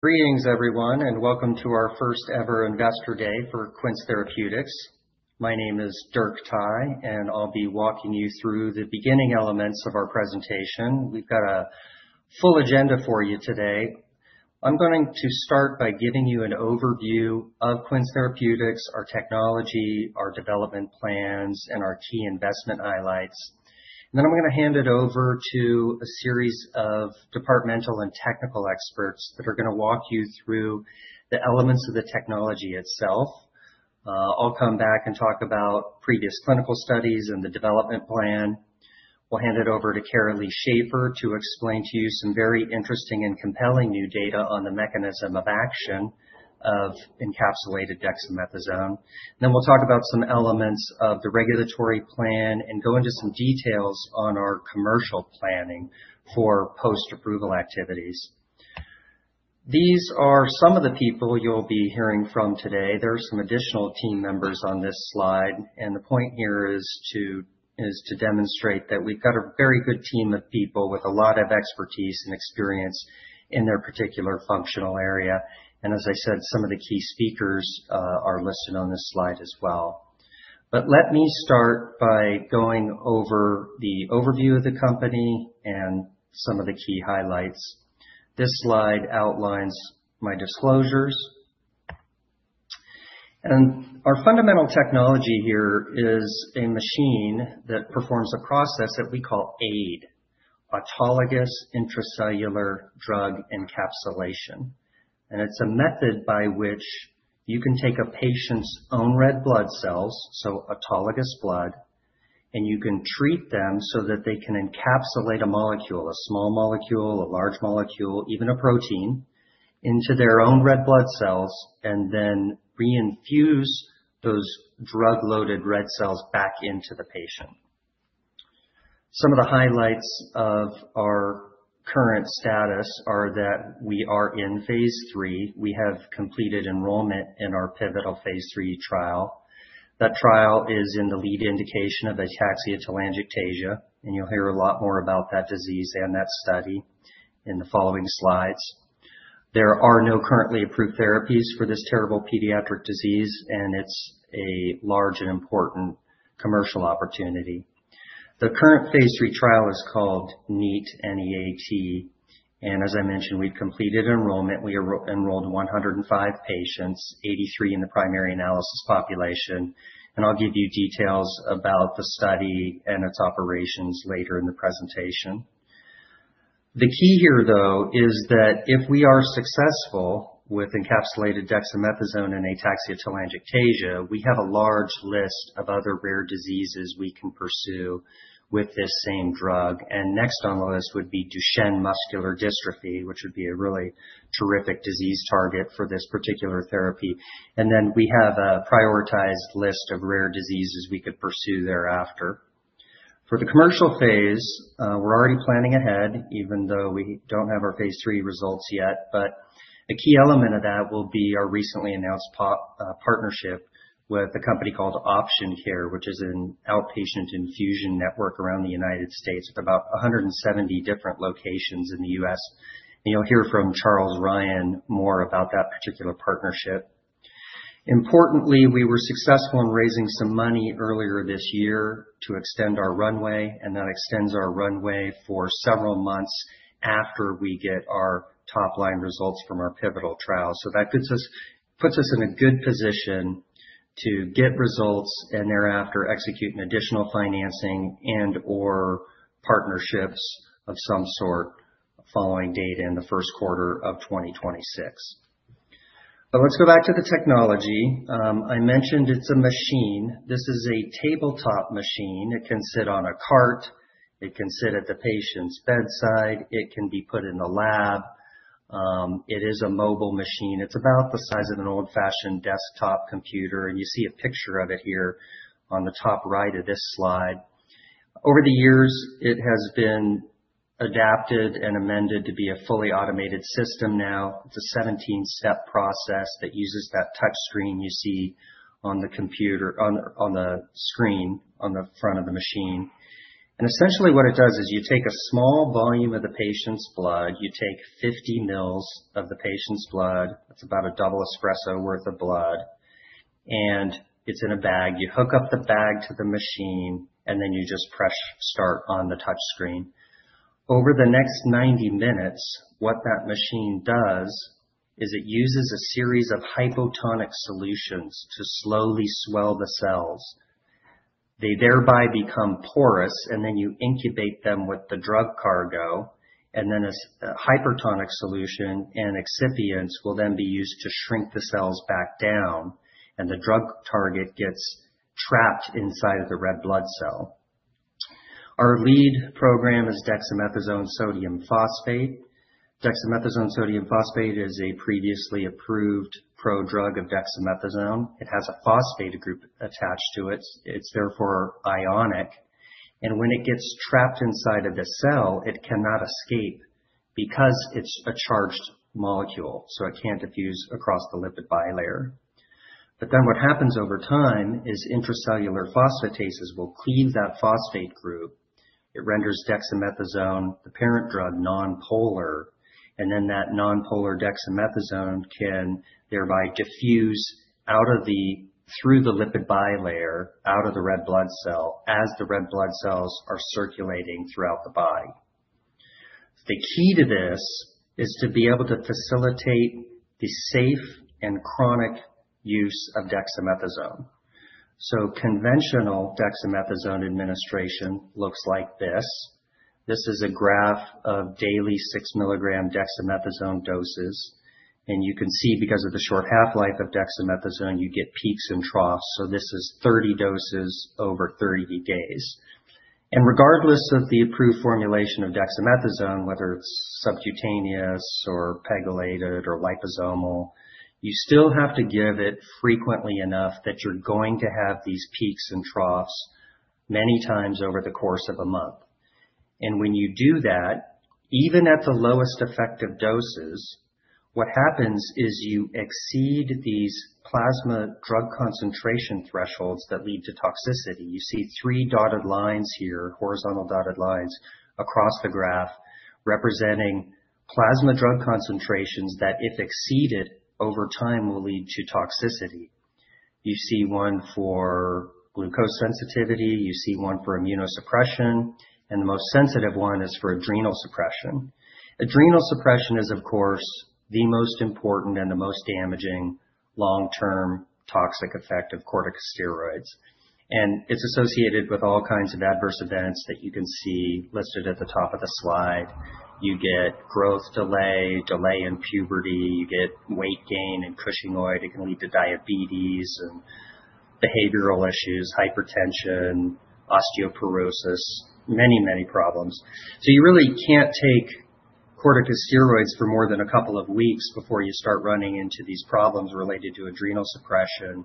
Greetings, everyone, and welcome to our first-ever Investor Day for Quince Therapeutics. My name is Dirk Thye, and I'll be walking you through the beginning elements of our presentation. We've got a full agenda for you today. I'm going to start by giving you an overview of Quince Therapeutics, our technology, our development plans, and our key investment highlights. And then I'm going to hand it over to a series of departmental and technical experts that are going to walk you through the elements of the technology itself. I'll come back and talk about previous clinical studies and the development plan. We'll hand it over to Caralee Schaefer to explain to you some very interesting and compelling new data on the mechanism of action of encapsulated dexamethasone. And then we'll talk about some elements of the regulatory plan and go into some details on our commercial planning for post-approval activities. These are some of the people you'll be hearing from today. There are some additional team members on this slide. And the point here is to demonstrate that we've got a very good team of people with a lot of expertise and experience in their particular functional area. And as I said, some of the key speakers are listed on this slide as well. But let me start by going over the overview of the company and some of the key highlights. This slide outlines my disclosures. And our fundamental technology here is a machine that performs a process that we call AIDE, Autologous Intracellular Drug Encapsulation. It's a method by which you can take a patient's own red blood cells, so autologous blood, and you can treat them so that they can encapsulate a molecule, a small molecule, a large molecule, even a protein, into their own red blood cells and then reinfuse those drug-loaded red cells back into the patient. Some of the highlights of our current status are that we are in phase III. We have completed enrollment in our pivotal phase III trial. That trial is in the lead indication of ataxia-telangiectasia. You'll hear a lot more about that disease and that study in the following slides. There are no currently approved therapies for this terrible pediatric disease, and it's a large and important commercial opportunity. The current phase III trial is called NEAT, N-E-A-T. As I mentioned, we've completed enrollment. We enrolled 105 patients, 83 in the primary analysis population. And I'll give you details about the study and its operations later in the presentation. The key here, though, is that if we are successful with encapsulated dexamethasone and ataxia-telangiectasia, we have a large list of other rare diseases we can pursue with this same drug. And next on the list would be Duchenne Muscular Dystrophy, which would be a really terrific disease target for this particular therapy. And then we have a prioritized list of rare diseases we could pursue thereafter. For the commercial phase, we're already planning ahead, even though we don't have our phase III results yet. But a key element of that will be our recently announced partnership with a company called Option Care Health, which is an outpatient infusion network around the United States with about 170 different locations in the U.S. You'll hear from Charles Ryan more about that particular partnership. Importantly, we were successful in raising some money earlier this year to extend our runway, and that extends our runway for several months after we get our top-line results from our pivotal trial. That puts us in a good position to get results and thereafter execute additional financing and/or partnerships of some sort following data in the first quarter of 2026. Let's go back to the technology. I mentioned it's a machine. This is a tabletop machine. It can sit on a cart. It can sit at the patient's bedside. It can be put in the lab. It is a mobile machine. It's about the size of an old-fashioned desktop computer. You see a picture of it here on the top right of this slide. Over the years, it has been adapted and amended to be a fully automated system now. It's a 17-step process that uses that touch screen you see on the computer, on the screen on the front of the machine. And essentially, what it does is you take a small volume of the patient's blood. You take 50 mL of the patient's blood. That's about a double espresso worth of blood. And it's in a bag. You hook up the bag to the machine, and then you just press start on the touch screen. Over the next 90 minutes, what that machine does is it uses a series of hypotonic solutions to slowly swell the cells. They thereby become porous, and then you incubate them with the drug cargo. And then a hypertonic solution and excipients will then be used to shrink the cells back down. The drug target gets trapped inside of the red blood cell. Our lead program is Dexamethasone Sodium Phosphate. Dexamethasone Sodium Phosphate is a previously approved pro-drug of dexamethasone. It has a phosphate group attached to it. It's therefore ionic. When it gets trapped inside of the cell, it cannot escape because it's a charged molecule. It can't diffuse across the lipid bilayer. Then what happens over time is intracellular phosphatases will cleave that phosphate group. It renders dexamethasone, the parent drug, nonpolar. Then that nonpolar dexamethasone can thereby diffuse through the lipid bilayer out of the red blood cell as the red blood cells are circulating throughout the body. The key to this is to be able to facilitate the safe and chronic use of dexamethasone. Conventional dexamethasone administration looks like this. This is a graph of daily six-milligram dexamethasone doses. You can see because of the short half-life of dexamethasone, you get peaks and troughs. This is 30 doses over 30 days. Regardless of the approved formulation of dexamethasone, whether it's subcutaneous or pegylated or liposomal, you still have to give it frequently enough that you're going to have these peaks and troughs many times over the course of a month. When you do that, even at the lowest effective doses, what happens is you exceed these plasma drug concentration thresholds that lead to toxicity. You see three dotted lines here, horizontal dotted lines across the graph representing plasma drug concentrations that, if exceeded over time, will lead to toxicity. You see one for glucose sensitivity. You see one for immunosuppression. The most sensitive one is for adrenal suppression. Adrenal suppression is, of course, the most important and the most damaging long-term toxic effect of corticosteroids, and it's associated with all kinds of adverse events that you can see listed at the top of the slide. You get growth delay, delay in puberty. You get weight gain and Cushingoid. It can lead to diabetes and behavioral issues, hypertension, osteoporosis, many, many problems, so you really can't take corticosteroids for more than a couple of weeks before you start running into these problems related to adrenal suppression,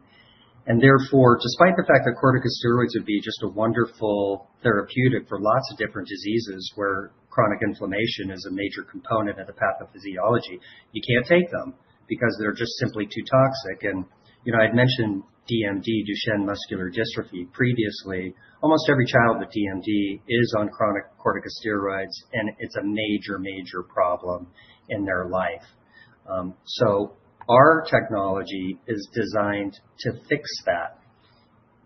and therefore, despite the fact that corticosteroids would be just a wonderful therapeutic for lots of different diseases where chronic inflammation is a major component of the pathophysiology, you can't take them because they're just simply too toxic, and I had mentioned DMD, Duchenne Muscular Dystrophy, previously. Almost every child with DMD is on chronic corticosteroids, and it's a major, major problem in their life. So our technology is designed to fix that.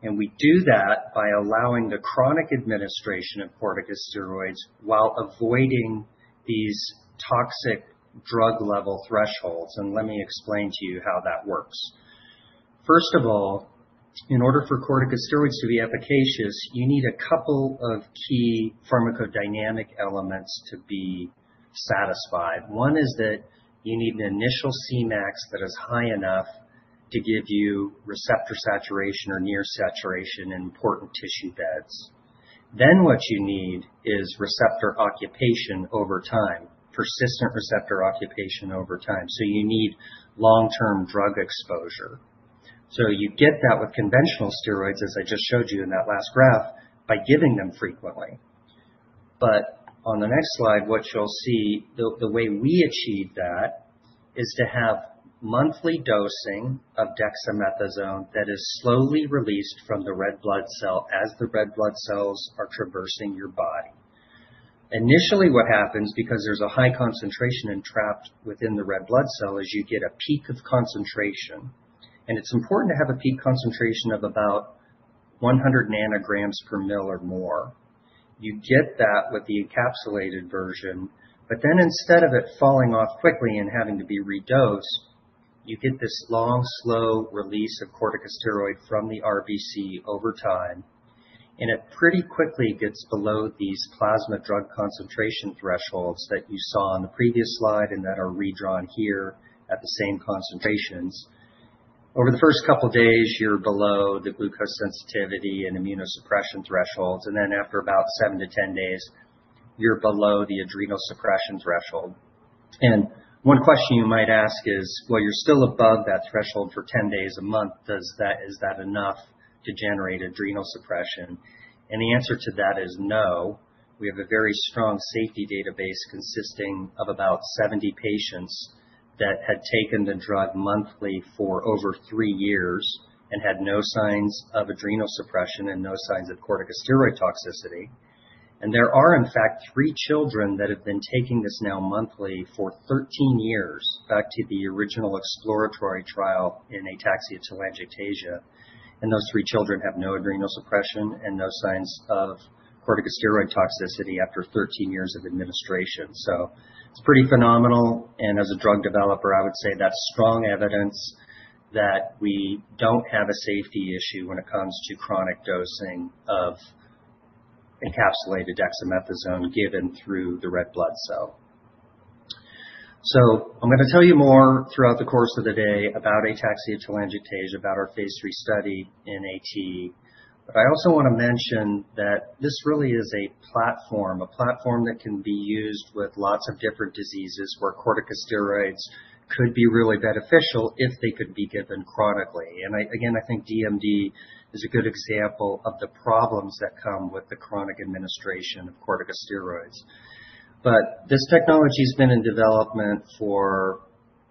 And we do that by allowing the chronic administration of corticosteroids while avoiding these toxic drug-level thresholds. And let me explain to you how that works. First of all, in order for corticosteroids to be efficacious, you need a couple of key pharmacodynamic elements to be satisfied. One is that you need an initial Cmax that is high enough to give you receptor saturation or near saturation in important tissue beds. Then what you need is receptor occupation over time, persistent receptor occupation over time. So you need long-term drug exposure. So you get that with conventional steroids, as I just showed you in that last graph, by giving them frequently. But on the next slide, what you'll see, the way we achieve that is to have monthly dosing of dexamethasone that is slowly released from the red blood cell as the red blood cells are traversing your body. Initially, what happens, because there's a high concentration trapped within the red blood cell, is you get a peak of concentration. And it's important to have a peak concentration of about 100 nanograms per mL or more. You get that with the encapsulated version. But then instead of it falling off quickly and having to be redosed, you get this long, slow release of corticosteroid from the RBC over time. And it pretty quickly gets below these plasma drug concentration thresholds that you saw on the previous slide and that are redrawn here at the same concentrations. Over the first couple of days, you're below the glucose sensitivity and immunosuppression thresholds. And then after about 7 to 10 days, you're below the adrenal suppression threshold. And one question you might ask is, well, you're still above that threshold for 10 days a month. Is that enough to generate adrenal suppression? And the answer to that is no. We have a very strong safety database consisting of about 70 patients that had taken the drug monthly for over three years and had no signs of adrenal suppression and no signs of corticosteroid toxicity. And there are, in fact, three children that have been taking this now monthly for 13 years, back to the original exploratory trial in ataxia-telangiectasia. And those three children have no adrenal suppression and no signs of corticosteroid toxicity after 13 years of administration. So it's pretty phenomenal. As a drug developer, I would say that's strong evidence that we don't have a safety issue when it comes to chronic dosing of encapsulated dexamethasone given through the red blood cell. So I'm going to tell you more throughout the course of the day about ataxia-telangiectasia, about our phase III study in AT. But I also want to mention that this really is a platform, a platform that can be used with lots of different diseases where corticosteroids could be really beneficial if they could be given chronically. And again, I think DMD is a good example of the problems that come with the chronic administration of corticosteroids. But this technology has been in development for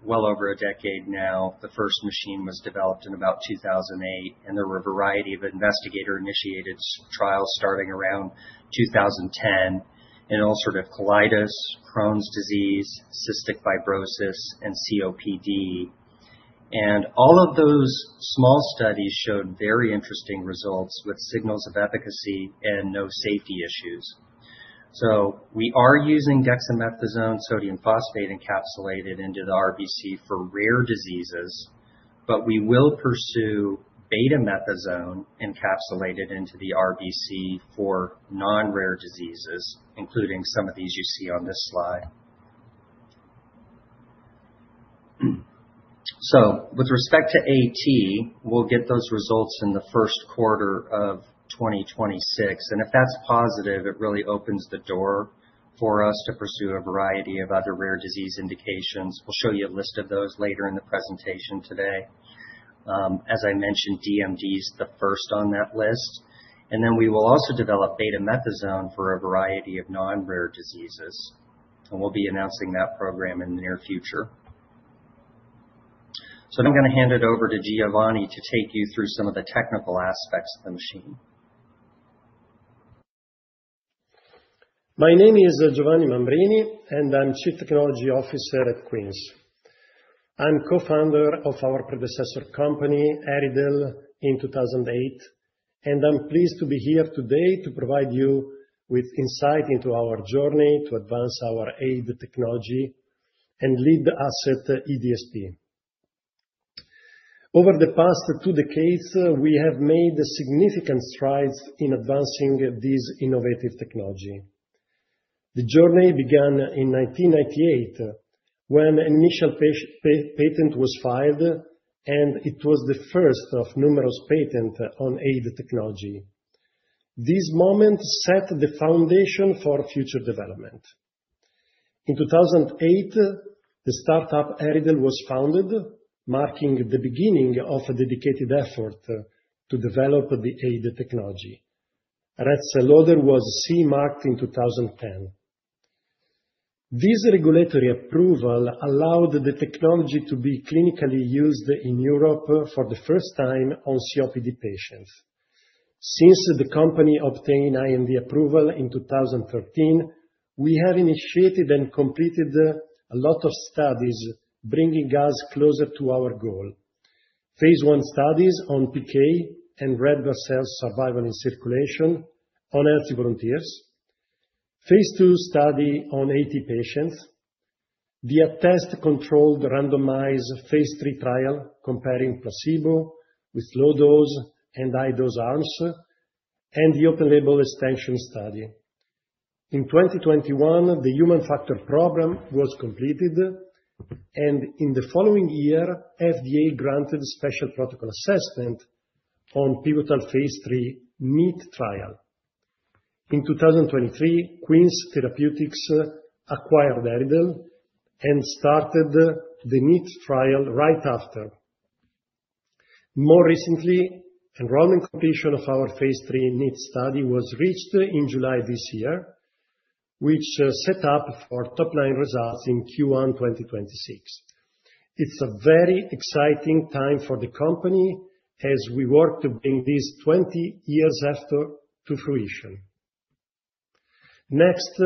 well over a decade now. The first machine was developed in about 2008. And there were a variety of investigator-initiated trials starting around 2010 in ulcerative colitis, Crohn's disease, cystic fibrosis, and COPD. And all of those small studies showed very interesting results with signals of efficacy and no safety issues. So we are using Dexamethasone Sodium Phosphate encapsulated into the RBC for rare diseases. But we will pursue betamethasone encapsulated into the RBC for non-rare diseases, including some of these you see on this slide. So with respect to AT, we'll get those results in the first quarter of 2026. And if that's positive, it really opens the door for us to pursue a variety of other rare disease indications. We'll show you a list of those later in the presentation today. As I mentioned, DMD is the first on that list. And then we will also develop betamethasone for a variety of non-rare diseases. We'll be announcing that program in the near future. I'm going to hand it over to Giovanni to take you through some of the technical aspects of the machine. My name is Giovanni Mambrini, and I'm Chief Technology Officer at Quince. I'm co-founder of our predecessor company, EryDel, in 2008. I'm pleased to be here today to provide you with insight into our journey to advance our AIDE technology and lead asset eDSP. Over the past two decades, we have made significant strides in advancing this innovative technology. The journey began in 1998 when an initial patent was filed, and it was the first of numerous patents on AIDE technology. This moment set the foundation for future development. In 2008, the startup EryDel was founded, marking the beginning of a dedicated effort to develop the AIDE technology. Red Cell Loader was CE marked in 2010. This regulatory approval allowed the technology to be clinically used in Europe for the first time on COPD patients. Since the company obtained IND approval in 2013, we have initiated and completed a lot of studies bringing us closer to our goal: phase I studies on PK and red blood cell survival in circulation on healthy volunteers, phase II study on 80 patients, the ATTeST controlled randomized phase III trial comparing placebo with low-dose and high-dose arms, and the open-label extension study. In 2021, the human factors program was completed. In the following year, FDA granted special protocol assessment on pivotal phase III NEAT trial. In 2023, Quince Therapeutics acquired EryDel and started the NEAT trial right after. More recently, enrollment completion of our phase III NEAT study was reached in July this year, which set up for top-line results in Q1 2026. It's a very exciting time for the company as we work to bring this 20-year effort to fruition. Next,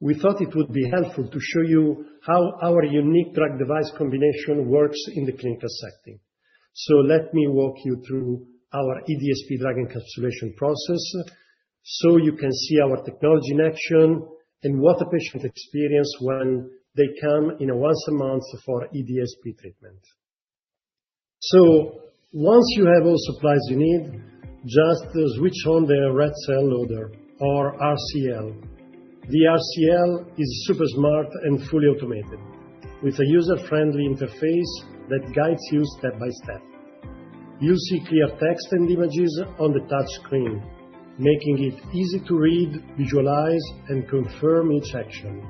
we thought it would be helpful to show you how our unique drug-device combination works in the clinical setting. So let me walk you through our eDSP drug encapsulation process so you can see our technology in action and what the patient experiences when they come in once a month for eDSP treatment. So once you have all supplies you need, just switch on the Red Cell Loader or RCL. The RCL is super smart and fully automated with a user-friendly interface that guides you step by step. You'll see clear text and images on the touchscreen, making it easy to read, visualize, and confirm each action.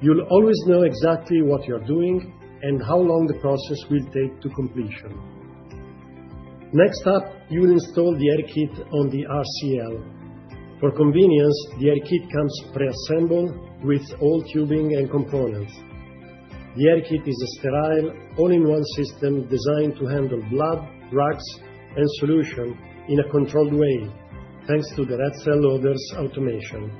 You'll always know exactly what you're doing and how long the process will take to completion. Next up, you'll install the EryKit on the RCL. For convenience, the EryKit comes preassembled with all tubing and components. The EryKit is a sterile, all-in-one system designed to handle blood, drugs, and solution in a controlled way, thanks to the red cell loader's automation.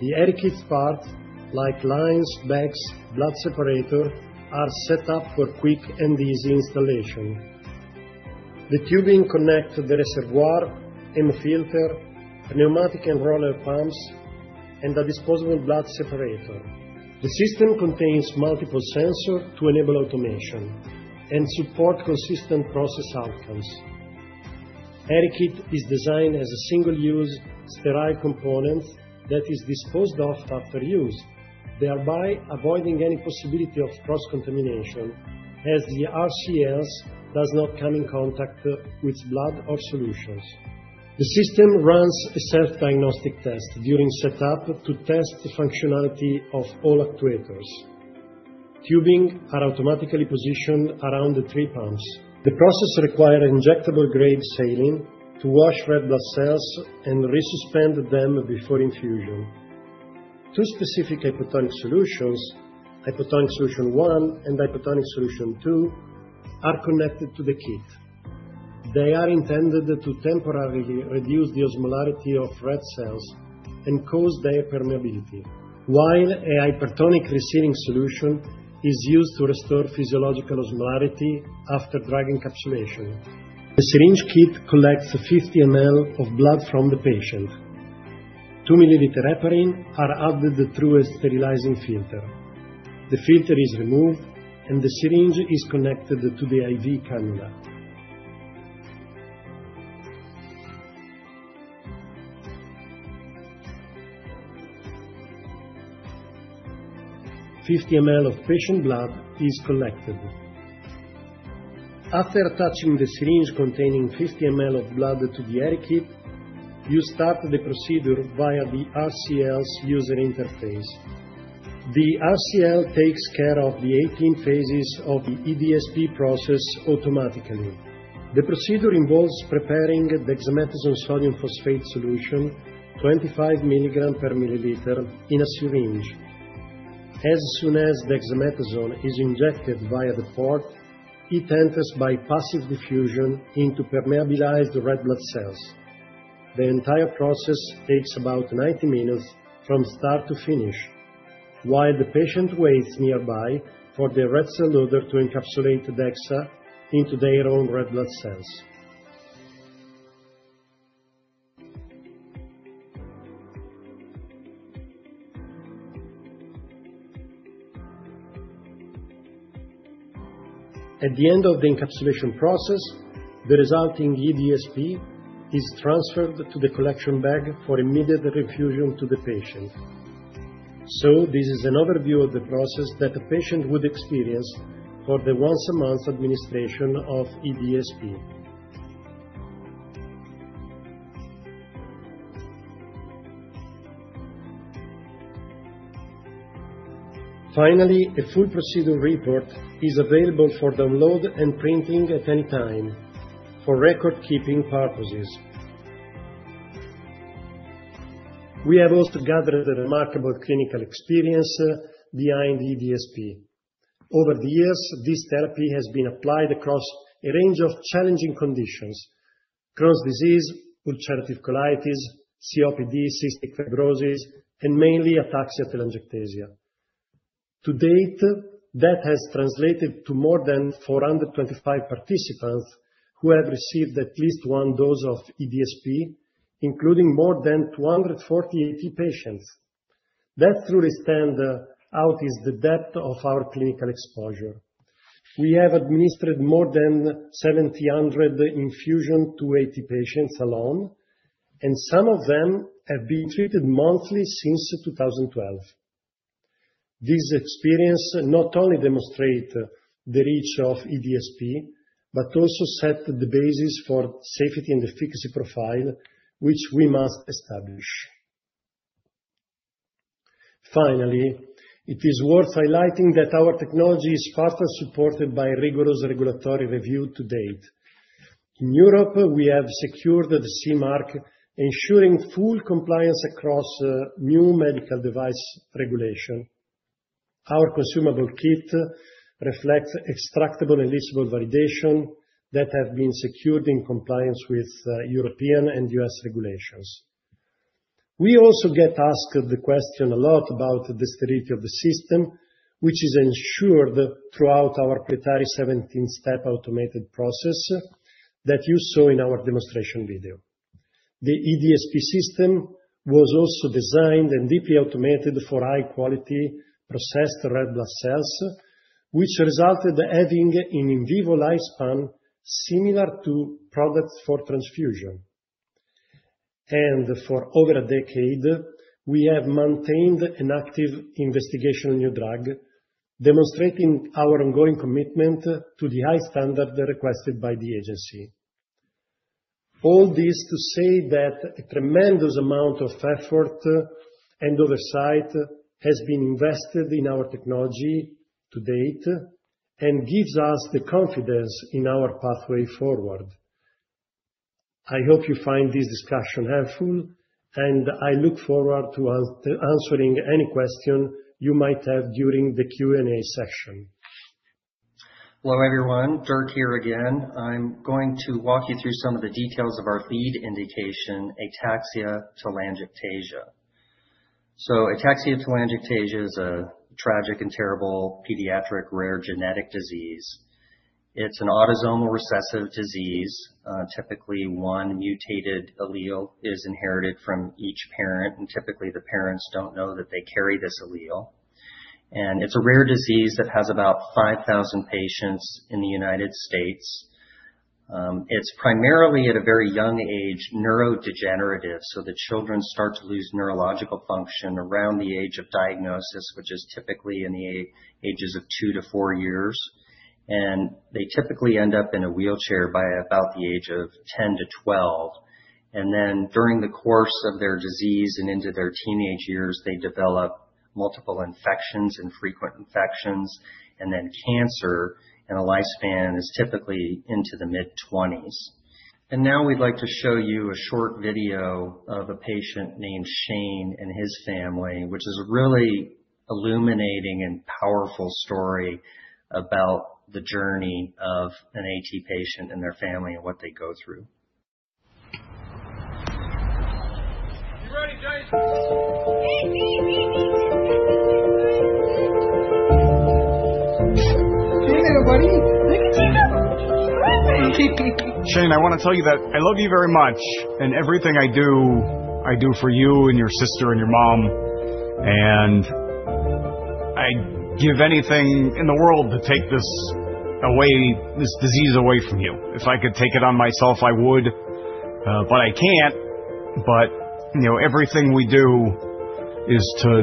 The EryKit parts, like lines, bags, and blood separator, are set up for quick and easy installation. The tubing connects to the reservoir and filter, pneumatic and roller pumps, and a disposable blood separator. The system contains multiple sensors to enable automation and support consistent process outcomes. EryKit is designed as a single-use sterile component that is disposed of after use, thereby avoiding any possibility of cross-contamination as the RCL does not come in contact with blood or solutions. The system runs a self-diagnostic test during setup to test the functionality of all actuators. Tubing is automatically positioned around the three pumps. The process requires injectable-grade saline to wash red blood cells and resuspend them before infusion. Two specific hypotonic solutions, hypotonic solution one and hypotonic solution two, are connected to the kit. They are intended to temporarily reduce the osmolarity of red cells and cause their permeability, while a hypertonic resuspension solution is used to restore physiological osmolarity after drug encapsulation. The syringe kit collects 50 mL of blood from the patient. 2 mL of heparin are added through a sterilizing filter. The filter is removed, and the syringe is connected to the IV cannula. 50 mL of patient blood is collected. After attaching the syringe containing 50 mL of blood to the EryKit, you start the procedure via the RCL's user interface. The RCL takes care of the 18 phases of the eDSP process automatically. The procedure involves preparing Dexamethasone Sodium Phosphate solution, 25 milligrams per milliliter in a syringe. As soon as dexamethasone is injected via the port, it enters by passive diffusion into permeabilized red blood cells. The entire process takes about 90 minutes from start to finish, while the patient waits nearby for the Red Cell Loader to encapsulate dexa into their own red blood cells. At the end of the encapsulation process, the resulting eDSP is transferred to the collection bag for immediate infusion to the patient. So this is an overview of the process that a patient would experience for the once-a-month administration of eDSP. Finally, a full procedure report is available for download and printing at any time for record-keeping purposes. We have also gathered a remarkable clinical experience behind eDSP. Over the years, this therapy has been applied across a range of challenging conditions: Crohn's disease, ulcerative colitis, COPD, cystic fibrosis, and mainly ataxia-telangiectasia. To date, that has translated to more than 425 participants who have received at least one dose of eDSP, including more than 248 patients. That truly stands out is the depth of our clinical exposure. We have administered more than 7,000 infusions to 80 patients alone, and some of them have been treated monthly since 2012. This experience not only demonstrates the reach of eDSP, but also sets the basis for safety and efficacy profile, which we must establish. Finally, it is worth highlighting that our technology is partly supported by rigorous regulatory review to date. In Europe, we have secured the CE mark, ensuring full compliance across new medical device regulation. Our consumable kit reflects extractables and leachables validation that have been secured in compliance with European and US regulations. We also get asked the question a lot about the stability of the system, which is ensured throughout our proprietary 17-step automated process that you saw in our demonstration video. The eDSP system was also designed and deeply automated for high-quality processed red blood cells, which resulted in an in vivo lifespan similar to products for transfusion, and for over a decade, we have maintained an active Investigational New Drug, demonstrating our ongoing commitment to the high standards requested by the agency. All this to say that a tremendous amount of effort and oversight has been invested in our technology to date and gives us the confidence in our pathway forward. I hope you find this discussion helpful, and I look forward to answering any questions you might have during the Q&A session. Hello, everyone. Dirk here again. I'm going to walk you through some of the details of our lead indication, ataxia-telangiectasia. So ataxia-telangiectasia is a tragic and terrible pediatric rare genetic disease. It's an autosomal recessive disease. Typically, one mutated allele is inherited from each parent, and typically, the parents don't know that they carry this allele. And it's a rare disease that has about 5,000 patients in the United States. It's primarily at a very young age, neurodegenerative, so the children start to lose neurological function around the age of diagnosis, which is typically in the ages of two to four years. And they typically end up in a wheelchair by about the age of 10 to 12. And then, during the course of their disease and into their teenage years, they develop multiple infections and frequent infections, and then cancer, and a lifespan is typically into the mid-20s. And now we'd like to show you a short video of a patient named Shane and his family, which is a really illuminating and powerful story about the journey of an AT patient and their family and what they go through. Hey, little buddy. Look at you. Shane, I want to tell you that I love you very much and everything I do, I do for you and your sister and your mom. And I'd give anything in the world to take this away, this disease away from you. If I could take it on myself, I would, but I can't. But everything we do is to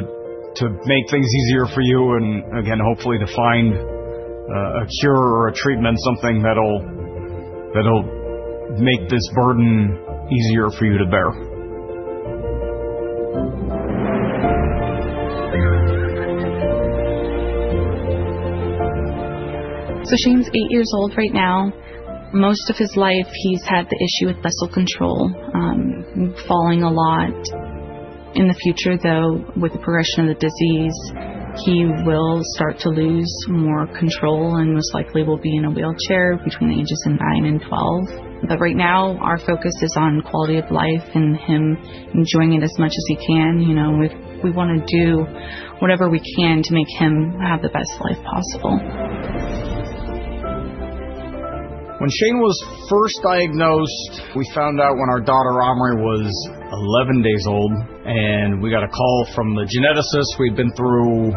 make things easier for you and, again, hopefully to find a cure or a treatment, something that'll make this burden easier for you to bear. So Shane's eight years old right now. Most of his life, he's had the issue with muscle control, falling a lot. In the future, though, with the progression of the disease, he will start to lose more control and most likely will be in a wheelchair between ages of nine and twelve. But right now, our focus is on quality of life and him enjoying it as much as he can. We want to do whatever we can to make him have the best life possible. When Shane was first diagnosed, we found out when our daughter, Omri, was 11 days old, and we got a call from the geneticist. We'd been through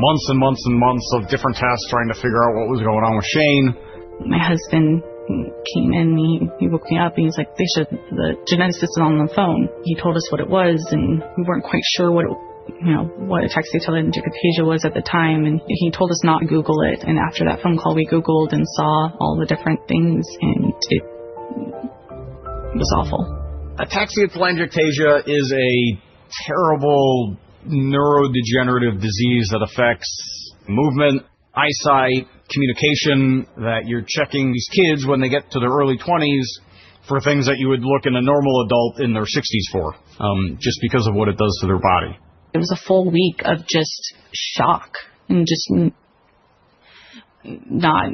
months and months and months of different tasks trying to figure out what was going on with Shane. My husband came in, and he woke me up, and he was like, "They said the geneticist is on the phone." He told us what it was, and we weren't quite sure what ataxia-telangiectasia was at the time. And he told us not to Google it. And after that phone call, we Googled and saw all the different things, and it was awful. Ataxia-telangiectasia is a terrible neurodegenerative disease that affects movement, eyesight, communication, that you're checking these kids when they get to their early 20s for things that you would look at a normal adult in their 60s for, just because of what it does to their body. It was a full week of just shock and just not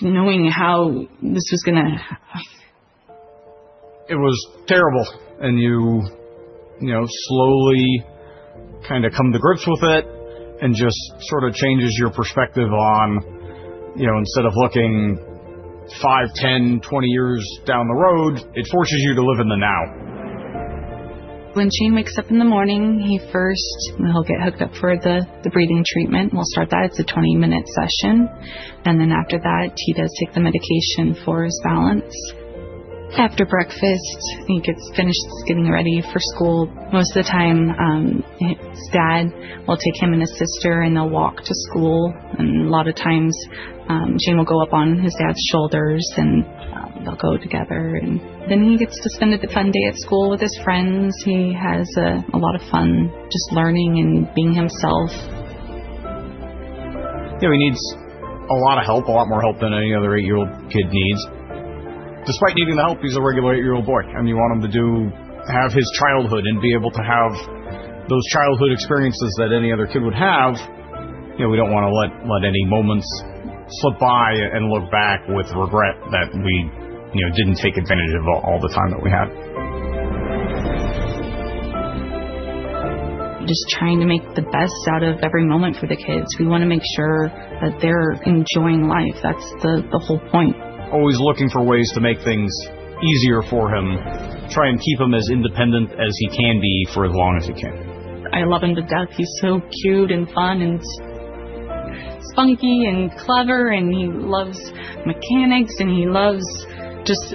knowing how this was going to. It was terrible, and you slowly kind of come to grips with it and just sort of changes your perspective on instead of looking five, 10, 20 years down the road. It forces you to live in the now. When Shane wakes up in the morning, he first will get hooked up for the breathing treatment. We'll start that. It's a 20-minute session, and then after that, he does take the medication for his balance. After breakfast, he gets finished getting ready for school. Most of the time, his dad will take him and his sister, and they'll walk to school, and a lot of times, Shane will go up on his dad's shoulders, and they'll go together, and then he gets to spend a fun day at school with his friends. He has a lot of fun just learning and being himself. He needs a lot of help, a lot more help than any other eight-year-old kid needs. Despite needing the help, he's a regular eight-year-old boy. And we want him to have his childhood and be able to have those childhood experiences that any other kid would have. We don't want to let any moments slip by and look back with regret that we didn't take advantage of all the time that we had. Just trying to make the best out of every moment for the kids. We want to make sure that they're enjoying life. That's the whole point. Always looking for ways to make things easier for him, try and keep him as independent as he can be for as long as he can. I love him to death. He's so cute and fun and funky and clever, and he loves mechanics and he loves just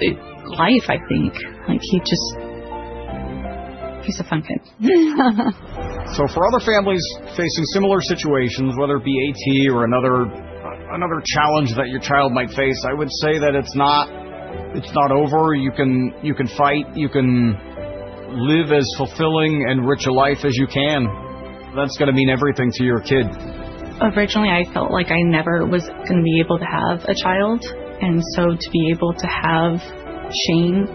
life, I think. He's a fun kid. So for other families facing similar situations, whether it be AT or another challenge that your child might face, I would say that it's not over. You can fight. You can live as fulfilling and rich a life as you can. That's going to mean everything to your kid. Originally, I felt like I never was going to be able to have a child. And so to be able to have Shane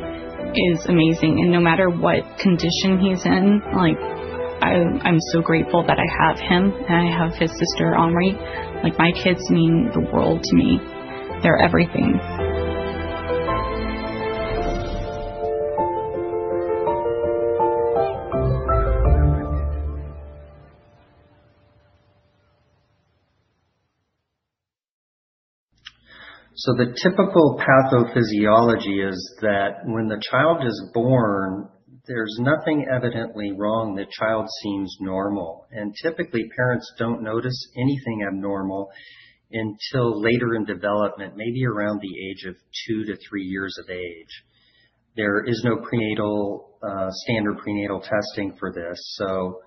is amazing. And no matter what condition he's in, I'm so grateful that I have him and I have his sister, Omri. My kids mean the world to me. They're everything. So the typical pathophysiology is that when the child is born, there's nothing evidently wrong. The child seems normal. And typically, parents don't notice anything abnormal until later in development, maybe around the age of two to three years of age. There is no standard prenatal testing for this, so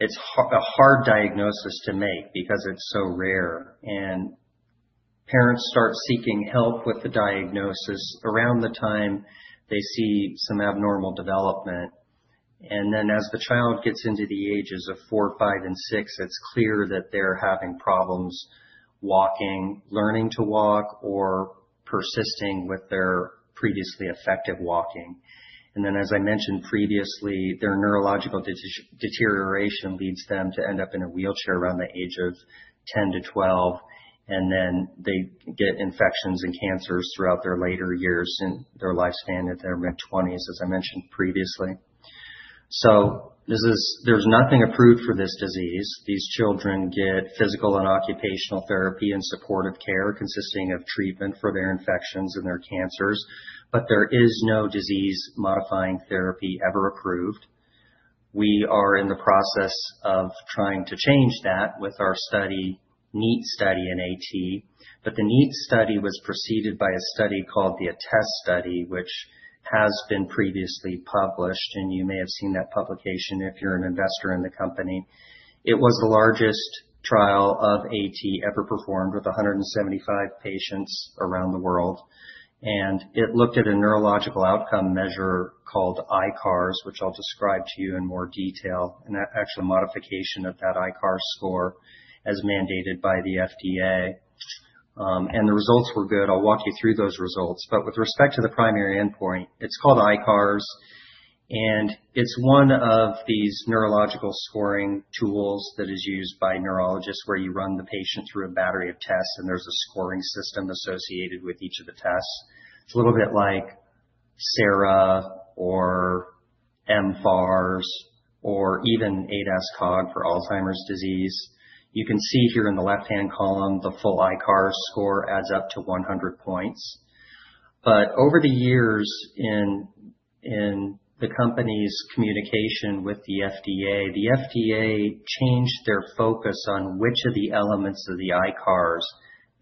it's a hard diagnosis to make because it's so rare, and parents start seeking help with the diagnosis around the time they see some abnormal development, and then as the child gets into the ages of four, five, and six, it's clear that they're having problems walking, learning to walk, or persisting with their previously effective walking, and then, as I mentioned previously, their neurological deterioration leads them to end up in a wheelchair around the age of 10 to 12, and then they get infections and cancers throughout their later years in their lifespan in their mid-20s, as I mentioned previously, so there's nothing approved for this disease. These children get physical and occupational therapy and supportive care consisting of treatment for their infections and their cancers, but there is no disease-modifying therapy ever approved. We are in the process of trying to change that with our NEAT study in AT. But the NEAT study was preceded by a study called the ATTeST study, which has been previously published. And you may have seen that publication if you're an investor in the company. It was the largest trial of AT ever performed with 175 patients around the world. And it looked at a neurological outcome measure called ICARS, which I'll describe to you in more detail. And that actually is a modification of that ICARS score as mandated by the FDA. And the results were good. I'll walk you through those results. But with respect to the primary endpoint, it's called ICARS. It's one of these neurological scoring tools that is used by neurologists where you run the patient through a battery of tests, and there's a scoring system associated with each of the tests. It's a little bit like SARA or MFARS or even ADAS-COG for Alzheimer's disease. You can see here in the left-hand column, the full ICARS score adds up to 100 points. But over the years in the company's communication with the FDA, the FDA changed their focus on which of the elements of the ICARS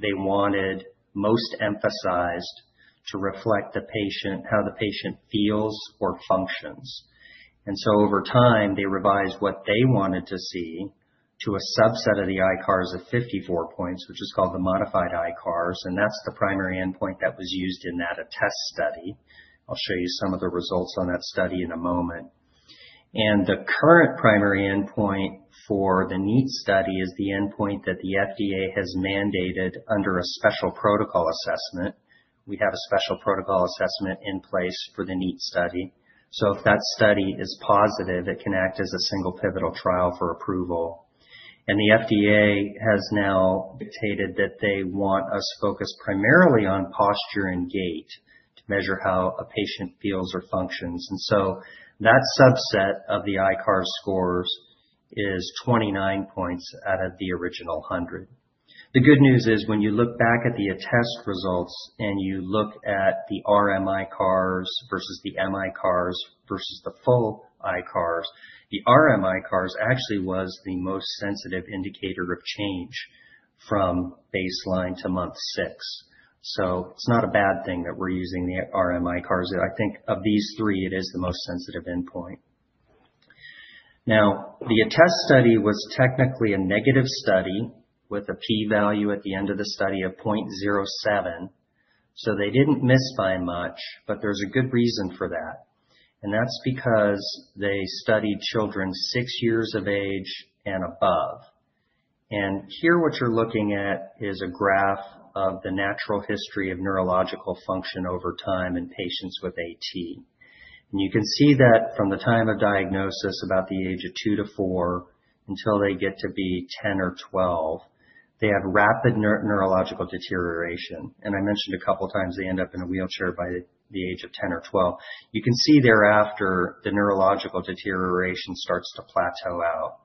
they wanted most emphasized to reflect the patient, how the patient feels or functions. And so over time, they revised what they wanted to see to a subset of the ICARS of 54 points, which is called the modified ICARS. And that's the primary endpoint that was used in that ATTeST study. I'll show you some of the results on that study in a moment. And the current primary endpoint for the NEAT study is the endpoint that the FDA has mandated under a special protocol assessment. We have a special protocol assessment in place for the NEAT study. So if that study is positive, it can act as a single pivotal trial for approval. And the FDA has now dictated that they want us focused primarily on posture and gait to measure how a patient feels or functions. And so that subset of the ICARS scores is 29 points out of the original 100. The good news is when you look back at the ATTeST results and you look at the RMICARS versus the MICARS versus the full ICARS, the RMICARS actually was the most sensitive indicator of change from baseline to month six. It's not a bad thing that we're using the RMICARS. I think of these three, it is the most sensitive endpoint. Now, the ATTeST study was technically a negative study with a p-value at the end of the study of 0.07. They didn't miss by much, but there's a good reason for that. That's because they studied children six years of age and above. Here, what you're looking at is a graph of the natural history of neurological function over time in patients with AT. You can see that from the time of diagnosis, about the age of two to four, until they get to be 10 or 12, they have rapid neurological deterioration. I mentioned a couple of times they end up in a wheelchair by the age of 10 or 12. You can see thereafter the neurological deterioration starts to plateau out.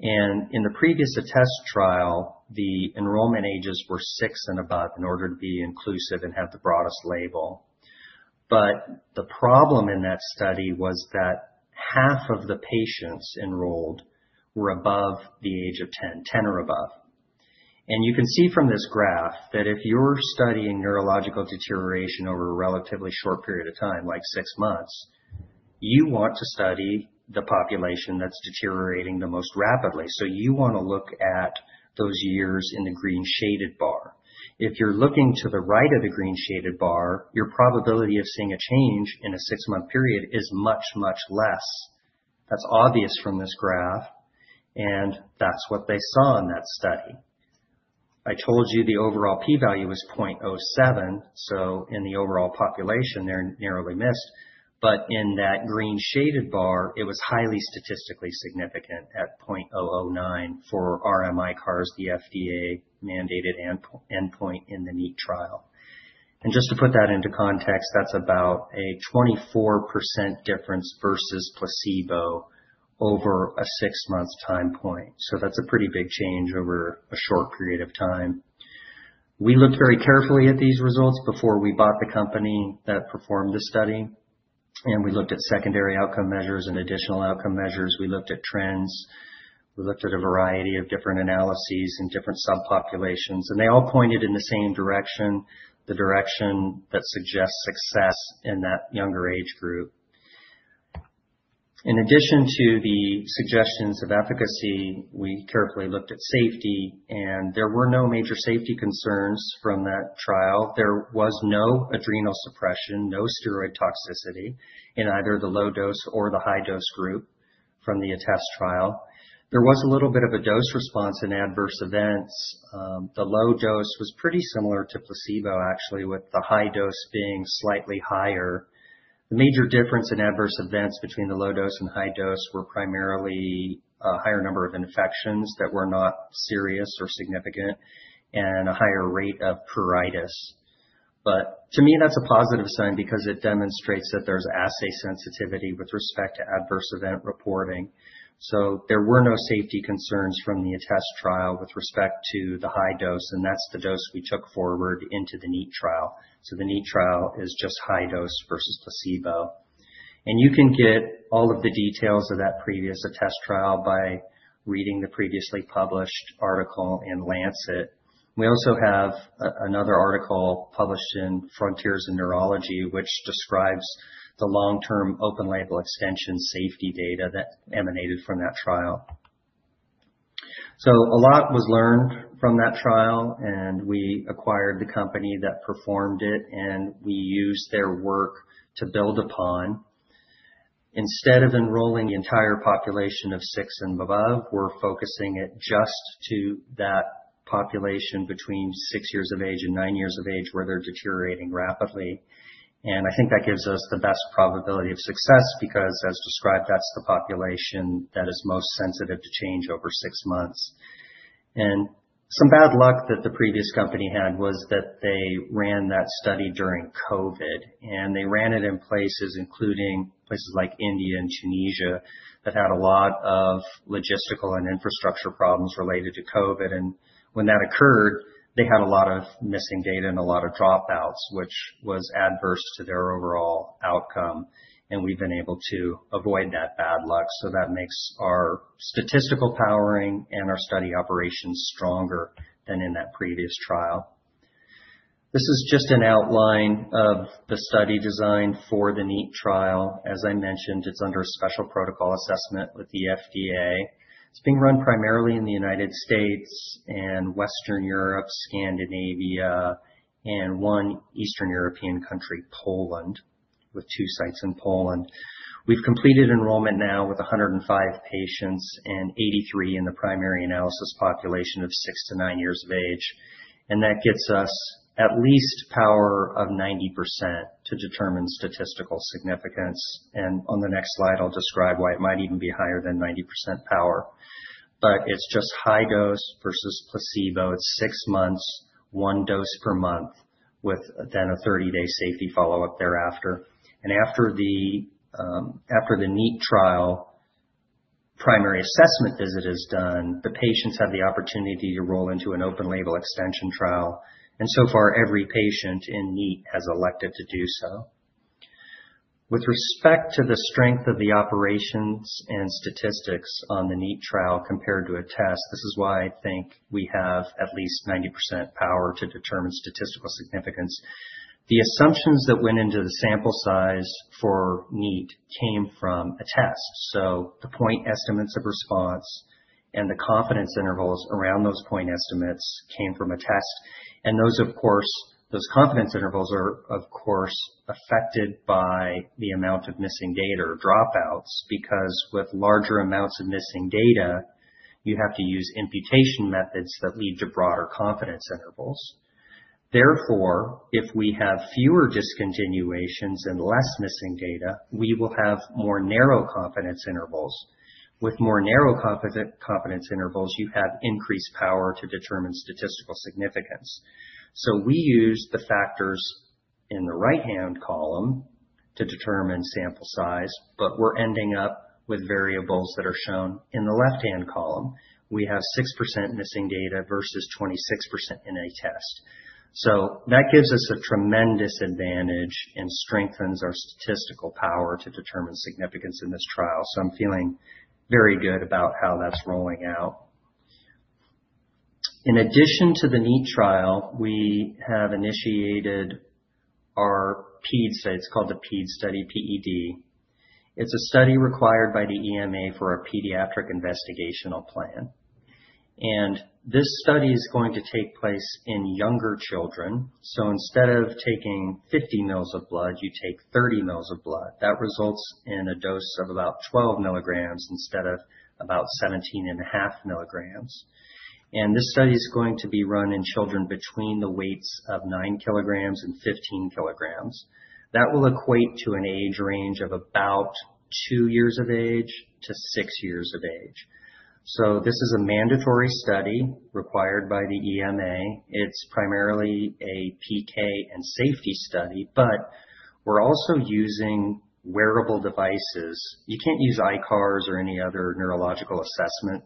And in the previous ATTeST trial, the enrollment ages were six and above in order to be inclusive and have the broadest label. But the problem in that study was that half of the patients enrolled were above the age of 10, 10 or above. And you can see from this graph that if you're studying neurological deterioration over a relatively short period of time, like six months, you want to study the population that's deteriorating the most rapidly. So you want to look at those years in the green shaded bar. If you're looking to the right of the green shaded bar, your probability of seeing a change in a six-month period is much, much less. That's obvious from this graph. And that's what they saw in that study. I told you the overall p-value was 0.07. So in the overall population, they're narrowly missed. In that green shaded bar, it was highly statistically significant at 0.009 for RMICARS, the FDA-mandated endpoint in the NEAT trial. Just to put that into context, that's about a 24% difference versus placebo over a six-month time point. That's a pretty big change over a short period of time. We looked very carefully at these results before we bought the company that performed the study. We looked at secondary outcome measures and additional outcome measures. We looked at trends. We looked at a variety of different analyses in different subpopulations. They all pointed in the same direction, the direction that suggests success in that younger age group. In addition to the suggestions of efficacy, we carefully looked at safety. There were no major safety concerns from that trial. There was no adrenal suppression, no steroid toxicity in either the low-dose or the high-dose group from the ATTeST trial. There was a little bit of a dose response in adverse events. The low dose was pretty similar to placebo, actually, with the high dose being slightly higher. The major difference in adverse events between the low dose and high dose were primarily a higher number of infections that were not serious or significant and a higher rate of pruritus. But to me, that's a positive sign because it demonstrates that there's assay sensitivity with respect to adverse event reporting, so there were no safety concerns from the ATTeST trial with respect to the high dose, and that's the dose we took forward into the NEAT trial, so the NEAT trial is just high dose versus placebo. And you can get all of the details of that previous ATTeST trial by reading the previously published article in Lancet. We also have another article published in Frontiers in Neurology, which describes the long-term open-label extension safety data that emanated from that trial. So a lot was learned from that trial, and we acquired the company that performed it, and we used their work to build upon. Instead of enrolling the entire population of six and above, we're focusing it just to that population between six years of age and nine years of age where they're deteriorating rapidly. And I think that gives us the best probability of success because, as described, that's the population that is most sensitive to change over six months. And some bad luck that the previous company had was that they ran that study during COVID. They ran it in places including places like India and Tunisia that had a lot of logistical and infrastructure problems related to COVID. When that occurred, they had a lot of missing data and a lot of dropouts, which was adverse to their overall outcome. We've been able to avoid that bad luck. That makes our statistical powering and our study operations stronger than in that previous trial. This is just an outline of the study designed for the NEAT trial. As I mentioned, it's under a Special Protocol Assessment with the FDA. It's being run primarily in the United States and Western Europe, Scandinavia, and one Eastern European country, Poland, with two sites in Poland. We've completed enrollment now with 105 patients and 83 in the primary analysis population of six to nine years of age. And that gets us at least power of 90% to determine statistical significance. And on the next slide, I'll describe why it might even be higher than 90% power. But it's just high dose versus placebo. It's six months, one dose per month, with then a 30-day safety follow-up thereafter. And after the NEAT trial, primary assessment visit is done, the patients have the opportunity to roll into an open-label extension trial. And so far, every patient in NEAT has elected to do so. With respect to the strength of the operations and statistics on the NEAT trial compared to ATTeST, this is why I think we have at least 90% power to determine statistical significance. The assumptions that went into the sample size for NEAT came from ATTeST. So the point estimates of response and the confidence intervals around those point estimates came from ATTeST. Those, of course, those confidence intervals are, of course, affected by the amount of missing data or dropouts because with larger amounts of missing data, you have to use imputation methods that lead to broader confidence intervals. Therefore, if we have fewer discontinuations and less missing data, we will have more narrow confidence intervals. With more narrow confidence intervals, you have increased power to determine statistical significance. So we use the factors in the right-hand column to determine sample size, but we're ending up with variables that are shown in the left-hand column. We have 6% missing data versus 26% in ATTeST. So that gives us a tremendous advantage and strengthens our statistical power to determine significance in this trial. So I'm feeling very good about how that's rolling out. In addition to the NEAT trial, we have initiated our PED study. It's called the PED study, PED. It's a study required by the EMA for a Pediatric Investigational Plan. And this study is going to take place in younger children. So instead of taking 50 mL of blood, you take 30 mL of blood. That results in a dose of about 12 milligrams instead of about 17.5 milligrams. And this study is going to be run in children between the weights of nine kilograms and 15 kilograms. That will equate to an age range of about two years of age to six years of age. So this is a mandatory study required by the EMA. It's primarily a PK and safety study, but we're also using wearable devices. You can't use ICARS or any other neurological assessment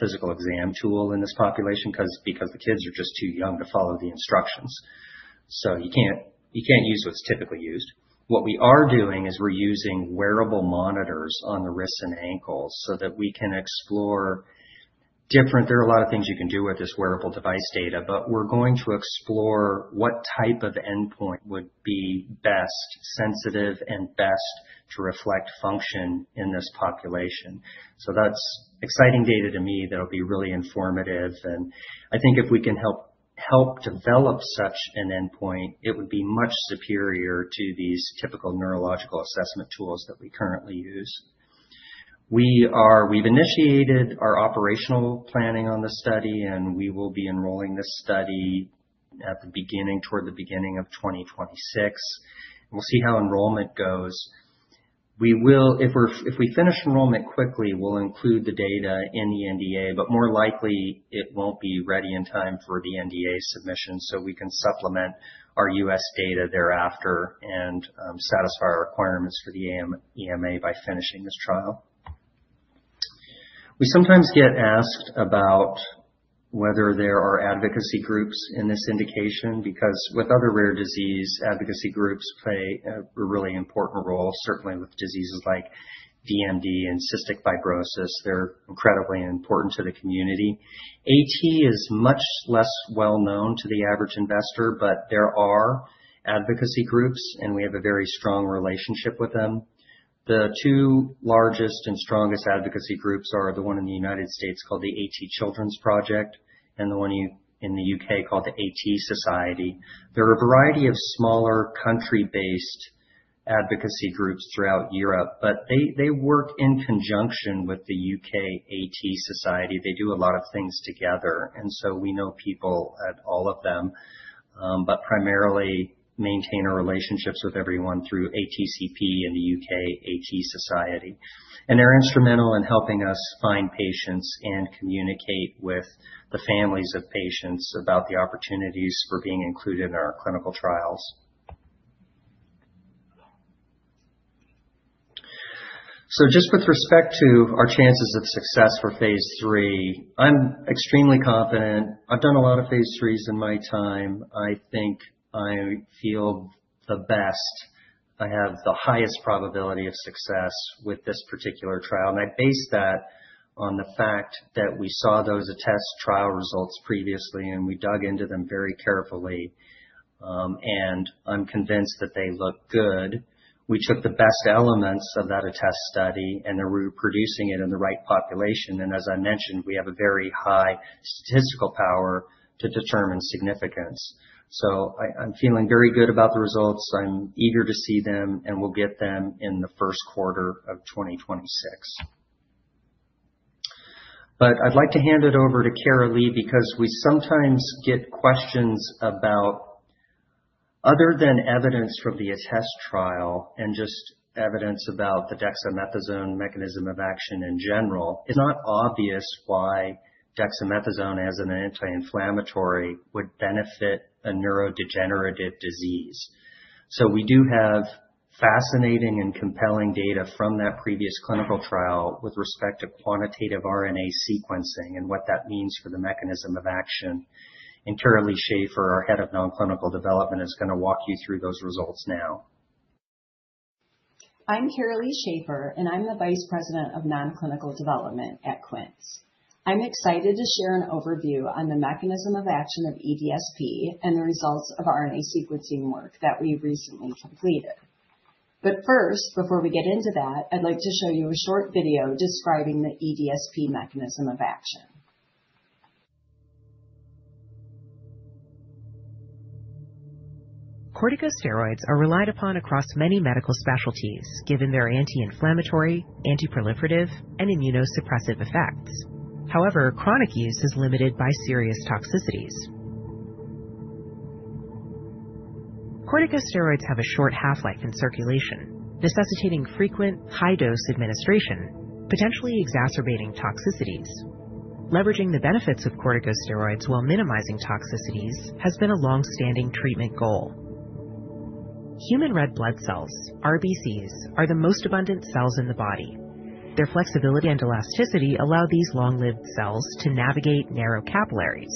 physical exam tool in this population because the kids are just too young to follow the instructions. So you can't use what's typically used. What we are doing is we're using wearable monitors on the wrists and ankles so that we can explore. There are a lot of things you can do with this wearable device data, but we're going to explore what type of endpoint would be best, sensitive, and best to reflect function in this population, so that's exciting data to me. That'll be really informative, and I think if we can help develop such an endpoint, it would be much superior to these typical neurological assessment tools that we currently use. We've initiated our operational planning on the study, and we will be enrolling this study at the beginning, toward the beginning of 2026. We'll see how enrollment goes. If we finish enrollment quickly, we'll include the data in the NDA, but more likely, it won't be ready in time for the NDA submission so we can supplement our U.S. data thereafter and satisfy our requirements for the EMA by finishing this trial. We sometimes get asked about whether there are advocacy groups in this indication because with other rare disease, advocacy groups play a really important role, certainly with diseases like DMD and cystic fibrosis. They're incredibly important to the community. AT is much less well-known to the average investor, but there are advocacy groups, and we have a very strong relationship with them. The two largest and strongest advocacy groups are the one in the United States called the A-T Children's Project and the one in the U.K. called the A-T Society. There are a variety of smaller country-based advocacy groups throughout Europe, but they work in conjunction with the U.K. A-T Society. They do a lot of things together. And so we know people at all of them, but primarily maintain our relationships with everyone through ATCP and the U.K. A-T Society. And they're instrumental in helping us find patients and communicate with the families of patients about the opportunities for being included in our clinical trials. So just with respect to our chances of success for phase III, I'm extremely confident. I've done a lot of phase IIIs in my time. I think I feel the best. I have the highest probability of success with this particular trial. And I base that on the fact that we saw those ATTeST trial results previously, and we dug into them very carefully. And I'm convinced that they look good. We took the best elements of that ATTeST study, and they're reproducing it in the right population, and as I mentioned, we have a very high statistical power to determine significance, so I'm feeling very good about the results. I'm eager to see them, and we'll get them in the first quarter of 2026, but I'd like to hand it over to Caralee because we sometimes get questions about, other than evidence from the ATTeST trial and just evidence about the dexamethasone mechanism of action in general, it's not obvious why dexamethasone as an anti-inflammatory would benefit a neurodegenerative disease, so we do have fascinating and compelling data from that previous clinical trial with respect to quantitative RNA sequencing and what that means for the mechanism of action, and Caralee Schaefer, our head of nonclinical development, is going to walk you through those results now. I'm Caralee Schaefer, and I'm the Vice President of nonclinical development at Quince. I'm excited to share an overview on the mechanism of action of eDSP and the results of RNA sequencing work that we recently completed. But first, before we get into that, I'd like to show you a short video describing the eDSP mechanism of action. Corticosteroids are relied upon across many medical specialties given their anti-inflammatory, antiproliferative, and immunosuppressive effects. However, chronic use is limited by serious toxicities. Corticosteroids have a short half-life in circulation, necessitating frequent high-dose administration, potentially exacerbating toxicities. Leveraging the benefits of corticosteroids while minimizing toxicities has been a long-standing treatment goal. Human red blood cells, RBCs, are the most abundant cells in the body. Their flexibility and elasticity allow these long-lived cells to navigate narrow capillaries.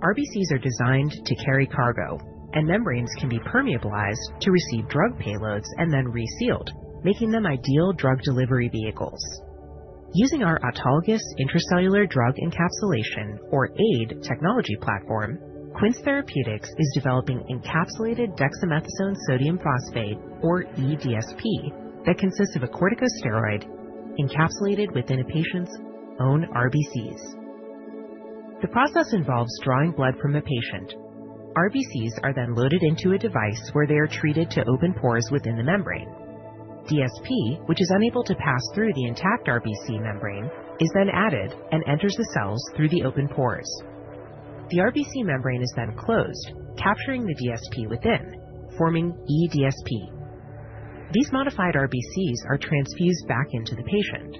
RBCs are designed to carry cargo, and membranes can be permeabilized to receive drug payloads and then resealed, making them ideal drug delivery vehicles. Using our autologous intracellular drug encapsulation, or AIDE technology platform, Quince Therapeutics is developing Encapsulated Dexamethasone Sodium Phosphate, or eDSP, that consists of a corticosteroid encapsulated within a patient's own RBCs. The process involves drawing blood from a patient. RBCs are then loaded into a device where they are treated to open pores within the membrane. DSP, which is unable to pass through the intact RBC membrane, is then added and enters the cells through the open pores. The RBC membrane is then closed, capturing the DSP within, forming eDSP. These modified RBCs are transfused back into the patient.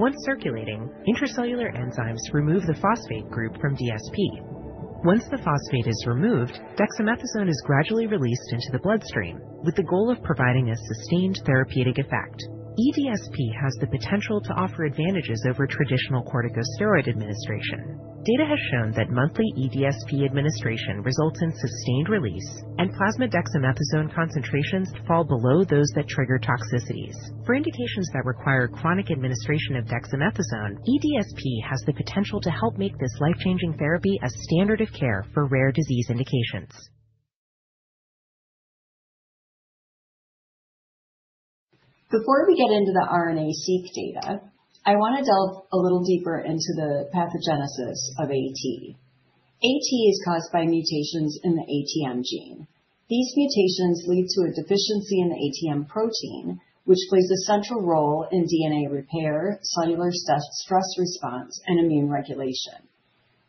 Once circulating, intracellular enzymes remove the phosphate group from DSP. Once the phosphate is removed, dexamethasone is gradually released into the bloodstream with the goal of providing a sustained therapeutic effect. eDSP has the potential to offer advantages over traditional corticosteroid administration. Data has shown that monthly eDSP administration results in sustained release, and plasma dexamethasone concentrations fall below those that trigger toxicities. For indications that require chronic administration of dexamethasone, eDSP has the potential to help make this life-changing therapy a standard of care for rare disease indications. Before we get into the RNA-seq data, I want to delve a little deeper into the pathogenesis of AT. AT is caused by mutations in the ATM gene. These mutations lead to a deficiency in the ATM protein, which plays a central role in DNA repair, cellular stress response, and immune regulation.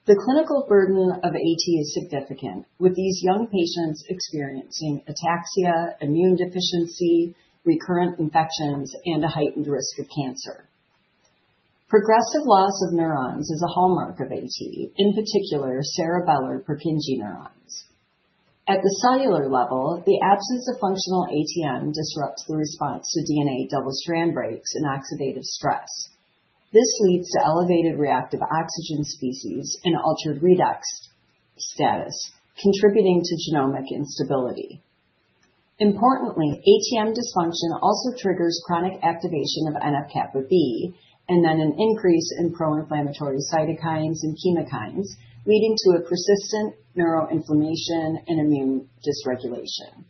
The clinical burden of AT is significant, with these young patients experiencing ataxia, immune deficiency, recurrent infections, and a heightened risk of cancer. Progressive loss of neurons is a hallmark of AT, in particular cerebellar Purkinje neuron. At the cellular level, the absence of functional ATM disrupts the response to DNA double-strand breaks and oxidative stress. This leads to elevated reactive oxygen species and altered redox status, contributing to genomic instability. Importantly, ATM dysfunction also triggers chronic activation of NF-kappa B and then an increase in pro-inflammatory cytokines and chemokines, leading to a persistent neuroinflammation and immune dysregulation.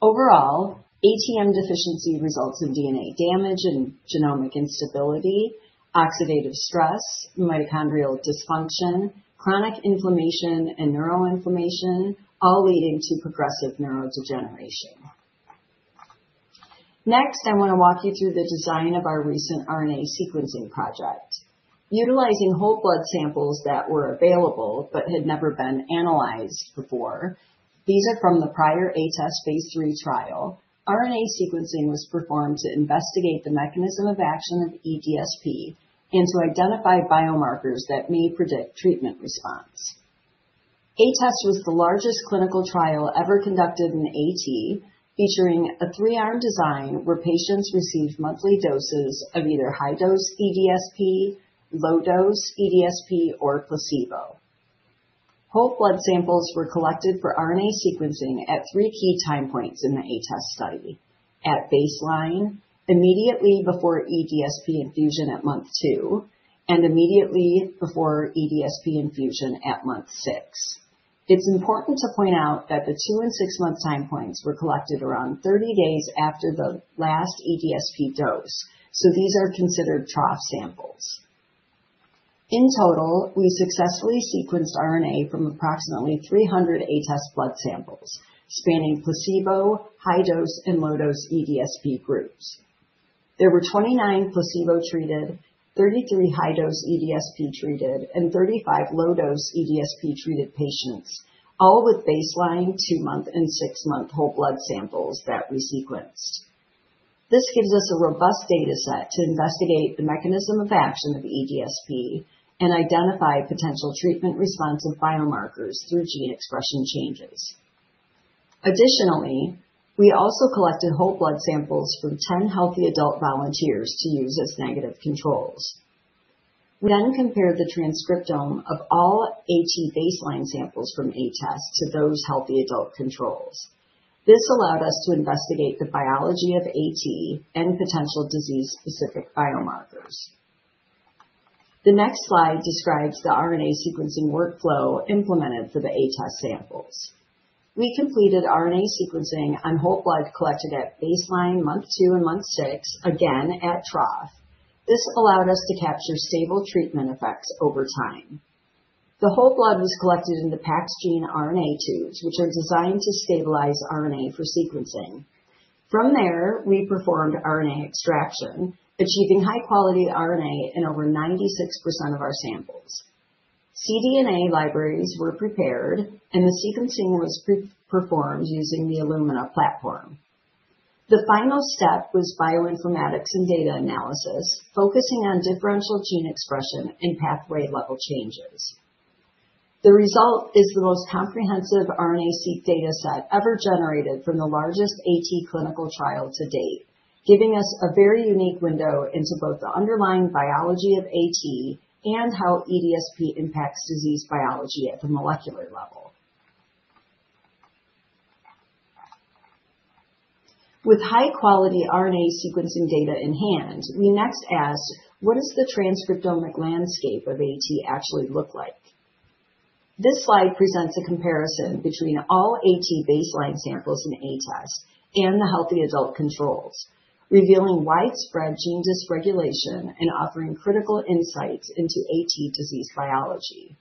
Overall, ATM deficiency results in DNA damage and genomic instability, oxidative stress, mitochondrial dysfunction, chronic inflammation, and neuroinflammation, all leading to progressive neurodegeneration. Next, I want to walk you through the design of our recent RNA sequencing project. Utilizing whole blood samples that were available but had never been analyzed before, these are from the prior ATTeST phase III trial, RNA sequencing was performed to investigate the mechanism of action of eDSP and to identify biomarkers that may predict treatment response. ATTeST was the largest clinical trial ever conducted in AT, featuring a three-arm design where patients received monthly doses of either high-dose eDSP, low-dose eDSP, or placebo. Whole blood samples were collected for RNA sequencing at three key time points in the ATTeST study: at baseline, immediately before eDSP infusion at month two, and immediately before eDSP infusion at month six. It's important to point out that the two and six-month time points were collected around 30 days after the last eDSP dose, so these are considered trough samples. In total, we successfully sequenced RNA from approximately 300 ATTeST blood samples spanning placebo, high-dose, and low-dose eDSP groups. There were 29 placebo-treated, 33 high-dose eDSP-treated, and 35 low-dose eDSP-treated patients, all with baseline, two-month, and six-month whole blood samples that we sequenced. This gives us a robust data set to investigate the mechanism of action of eDSP and identify potential treatment-responsive biomarkers through gene expression changes. Additionally, we also collected whole blood samples from 10 healthy adult volunteers to use as negative controls. We then compared the transcriptome of all AT baseline samples from ATTeST to those healthy adult controls. This allowed us to investigate the biology of AT and potential disease-specific biomarkers. The next slide describes the RNA sequencing workflow implemented for the ATTeST samples. We completed RNA sequencing on whole blood collected at baseline, month two, and month six, again at trough. This allowed us to capture stable treatment effects over time. The whole blood was collected in the PAXgene RNA tubes, which are designed to stabilize RNA for sequencing. From there, we performed RNA extraction, achieving high-quality RNA in over 96% of our samples. cDNA libraries were prepared, and the sequencing was performed using the Illumina platform. The final step was bioinformatics and data analysis, focusing on differential gene expression and pathway-level changes. The result is the most comprehensive RNA-seq data set ever generated from the largest AT clinical trial to date, giving us a very unique window into both the underlying biology of AT and how eDSP impacts disease biology at the molecular level. With high-quality RNA sequencing data in hand, we next asked, what does the transcriptomic landscape of AT actually look like? This slide presents a comparison between all AT baseline samples in ATTeST and the healthy adult controls, revealing widespread gene dysregulation and offering critical insights into AT disease biology.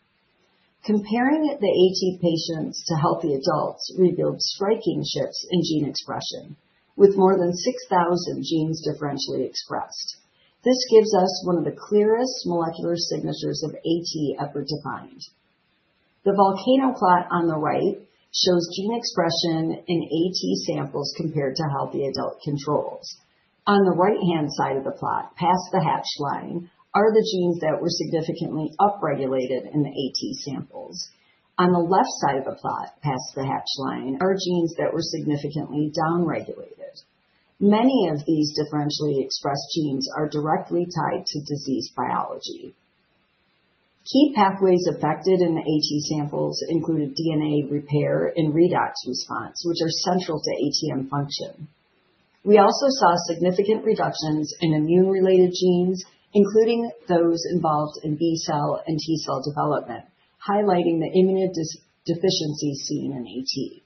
Comparing the AT patients to healthy adults revealed striking shifts in gene expression, with more than 6,000 genes differentially expressed. This gives us one of the clearest molecular signatures of AT ever defined. The volcano plot on the right shows gene expression in AT samples compared to healthy adult controls. On the right-hand side of the plot, past the hatch line, are the genes that were significantly upregulated in the AT samples. On the left side of the plot, past the hatch line, are genes that were significantly downregulated. Many of these differentially expressed genes are directly tied to disease biology. Key pathways affected in the AT samples included DNA repair and redox response, which are central to ATM function. We also saw significant reductions in immune-related genes, including those involved in B cell and T cell development, highlighting the immunodeficiency seen in AT.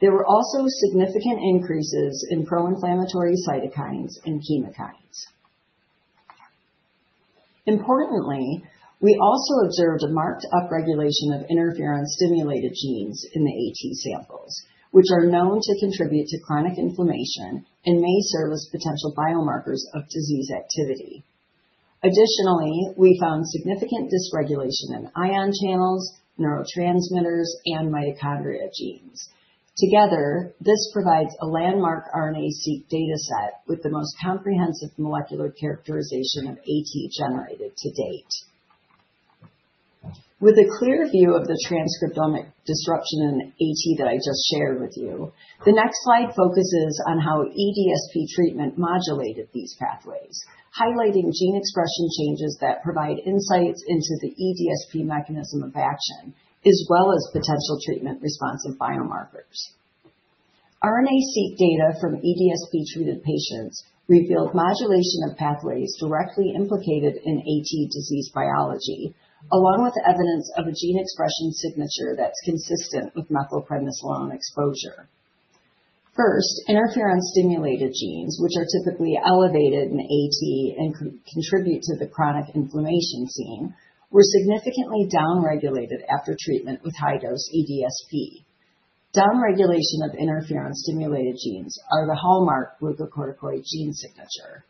There were also significant increases in pro-inflammatory cytokines and chemokines. Importantly, we also observed a marked upregulation of interferon-stimulated genes in the AT samples, which are known to contribute to chronic inflammation and may serve as potential biomarkers of disease activity. Additionally, we found significant dysregulation in ion channels, neurotransmitters, and mitochondrial genes. Together, this provides a landmark RNA-seq data set with the most comprehensive molecular characterization of AT generated to date. With a clear view of the transcriptomic disruption in AT that I just shared with you, the next slide focuses on how eDSP treatment modulated these pathways, highlighting gene expression changes that provide insights into the eDSP mechanism of action, as well as potential treatment-responsive biomarkers. RNA-seq data from eDSP-treated patients revealed modulation of pathways directly implicated in AT disease biology, along with evidence of a gene expression signature that's consistent with methylprednisolone exposure. First, Interferon-stimulated genes, which are typically elevated in AT and contribute to the chronic inflammation seen, were significantly downregulated after treatment with high-dose eDSP. Downregulation of Interferon-stimulated genes is the hallmark glucocorticoid gene signature.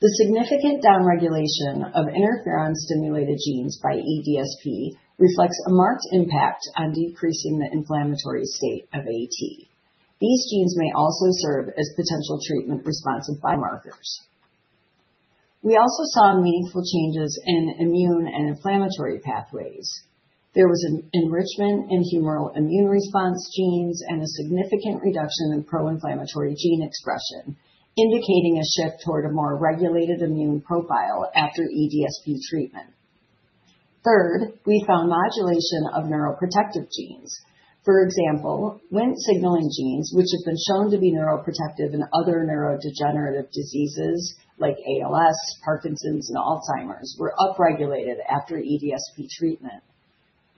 The significant downregulation of Interferon-stimulated genes by eDSP reflects a marked impact on decreasing the inflammatory state of AT. These genes may also serve as potential treatment-responsive biomarkers. We also saw meaningful changes in immune and inflammatory pathways. There was an enrichment in humoral immune response genes and a significant reduction in pro-inflammatory gene expression, indicating a shift toward a more regulated immune profile after eDSP treatment. Third, we found modulation of neuroprotective genes. For example, Wnt signaling genes, which have been shown to be neuroprotective in other neurodegenerative diseases like ALS, Parkinson's, and Alzheimer's, were upregulated after eDSP treatment.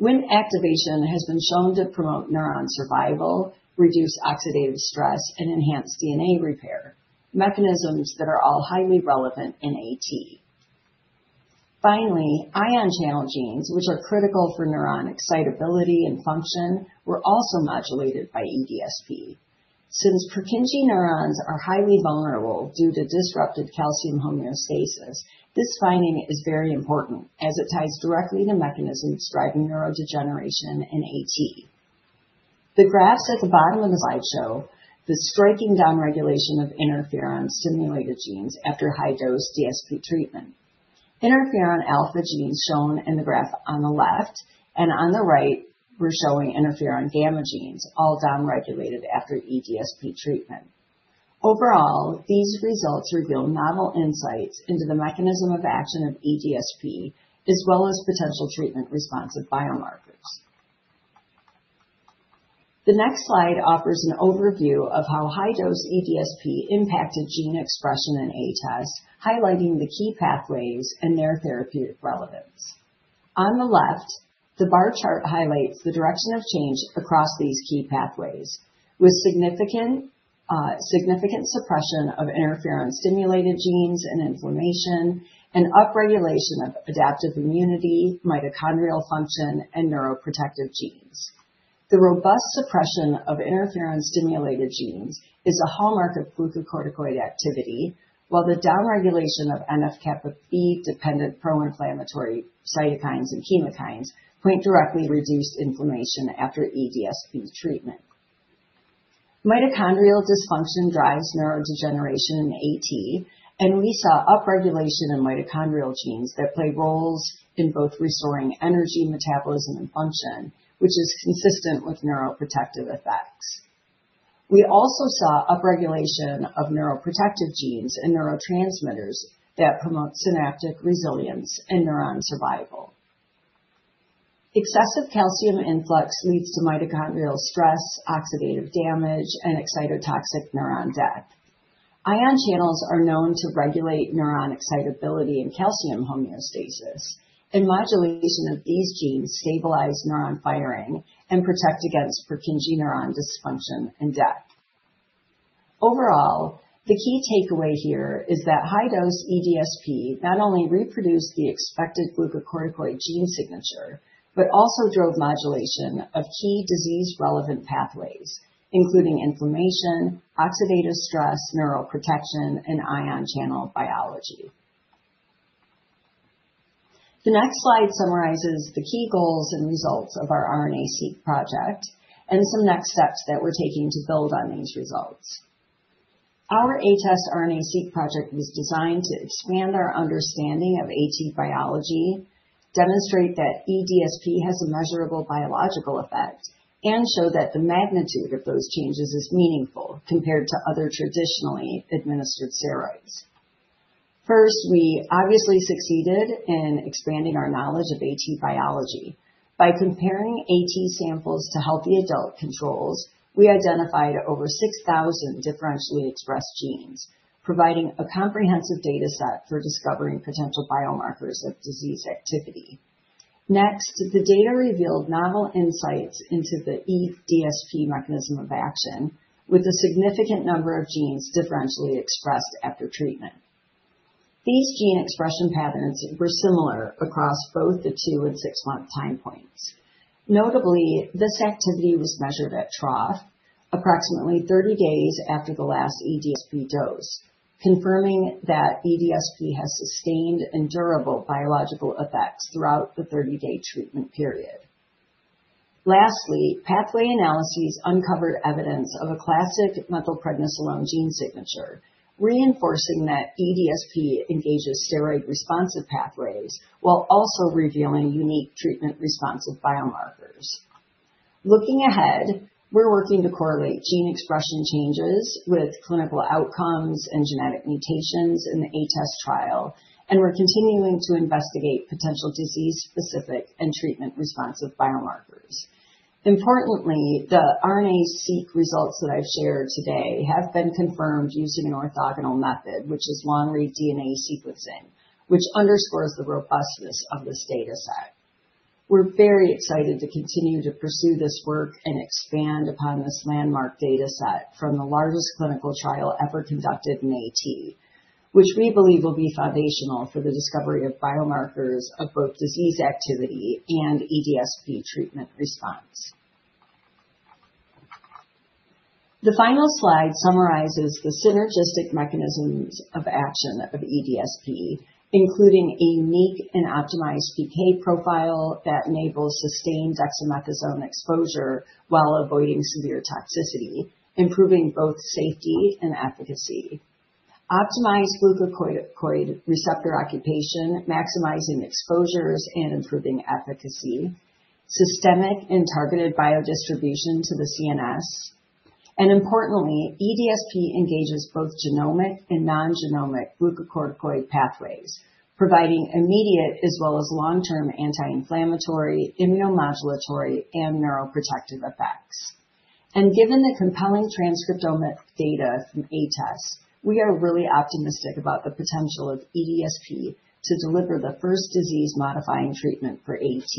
Wnt activation has been shown to promote neuron survival, reduce oxidative stress, and enhance DNA repair, mechanisms that are all highly relevant in AT. Finally, ion channel genes, which are critical for neuron excitability and function, were also modulated by eDSP. Since Purkinje neurons are highly vulnerable due to disrupted calcium homeostasis, this finding is very important as it ties directly to mechanisms driving neurodegeneration in AT. The graphs at the bottom of the slide show the striking downregulation of interferon-stimulated genes after high-dose DSP treatment. Interferon alpha genes shown in the graph on the left and on the right were showing interferon gamma genes, all downregulated after eDSP treatment. Overall, these results reveal novel insights into the mechanism of action of eDSP, as well as potential treatment-responsive biomarkers. The next slide offers an overview of how high-dose eDSP impacted gene expression in ATTeST, highlighting the key pathways and their therapeutic relevance. On the left, the bar chart highlights the direction of change across these key pathways, with significant suppression of interferon-stimulated genes and inflammation, and upregulation of adaptive immunity, mitochondrial function, and neuroprotective genes. The robust suppression of interferon-stimulated genes is a hallmark of glucocorticoid activity, while the downregulation of NF-kappa B-dependent pro-inflammatory cytokines and chemokines points directly to reduced inflammation after eDSP treatment. Mitochondrial dysfunction drives neurodegeneration in AT, and we saw upregulation in mitochondrial genes that play roles in both restoring energy, metabolism, and function, which is consistent with neuroprotective effects. We also saw upregulation of neuroprotective genes and neurotransmitters that promote synaptic resilience and neuron survival. Excessive calcium influx leads to mitochondrial stress, oxidative damage, and excitotoxic neuron death. Ion channels are known to regulate neuron excitability and calcium homeostasis, and modulation of these genes stabilizes neuron firing and protects against Purkinje neuron dysfunction and death. Overall, the key takeaway here is that high-dose eDSP not only reproduced the expected glucocorticoid gene signature but also drove modulation of key disease-relevant pathways, including inflammation, oxidative stress, neuroprotection, and ion channel biology. The next slide summarizes the key goals and results of our RNA-seq project and some next steps that we're taking to build on these results. Our ATTeST RNA-seq project was designed to expand our understanding of AT biology, demonstrate that eDSP has a measurable biological effect, and show that the magnitude of those changes is meaningful compared to other traditionally administered steroids. First, we obviously succeeded in expanding our knowledge of AT biology. By comparing AT samples to healthy adult controls, we identified over 6,000 differentially expressed genes, providing a comprehensive data set for discovering potential biomarkers of disease activity. Next, the data revealed novel insights into the eDSP mechanism of action, with a significant number of genes differentially expressed after treatment. These gene expression patterns were similar across both the two- and six-month time points. Notably, this activity was measured at trough, approximately 30 days after the last eDSP dose, confirming that eDSP has sustained and durable biological effects throughout the 30-day treatment period. Lastly, pathway analyses uncovered evidence of a classic methylprednisolone gene signature, reinforcing that eDSP engages steroid-responsive pathways while also revealing unique treatment-responsive biomarkers. Looking ahead, we're working to correlate gene expression changes with clinical outcomes and genetic mutations in the ATTeST trial, and we're continuing to investigate potential disease-specific and treatment-responsive biomarkers. Importantly, the RNA-seq results that I've shared today have been confirmed using an orthogonal method, which is long-read DNA sequencing, which underscores the robustness of this data set. We're very excited to continue to pursue this work and expand upon this landmark data set from the largest clinical trial ever conducted in AT, which we believe will be foundational for the discovery of biomarkers of both disease activity and eDSP treatment response. The final slide summarizes the synergistic mechanisms of action of eDSP, including a unique and optimized PK profile that enables sustained dexamethasone exposure while avoiding severe toxicity, improving both safety and efficacy, optimized glucocorticoid receptor occupation, maximizing exposures and improving efficacy, systemic and targeted biodistribution to the CNS, and importantly, eDSP engages both genomic and non-genomic glucocorticoid pathways, providing immediate as well as long-term anti-inflammatory, immunomodulatory, and neuroprotective effects, and given the compelling transcriptomic data from ATTeST, we are really optimistic about the potential of eDSP to deliver the first disease-modifying treatment for AT,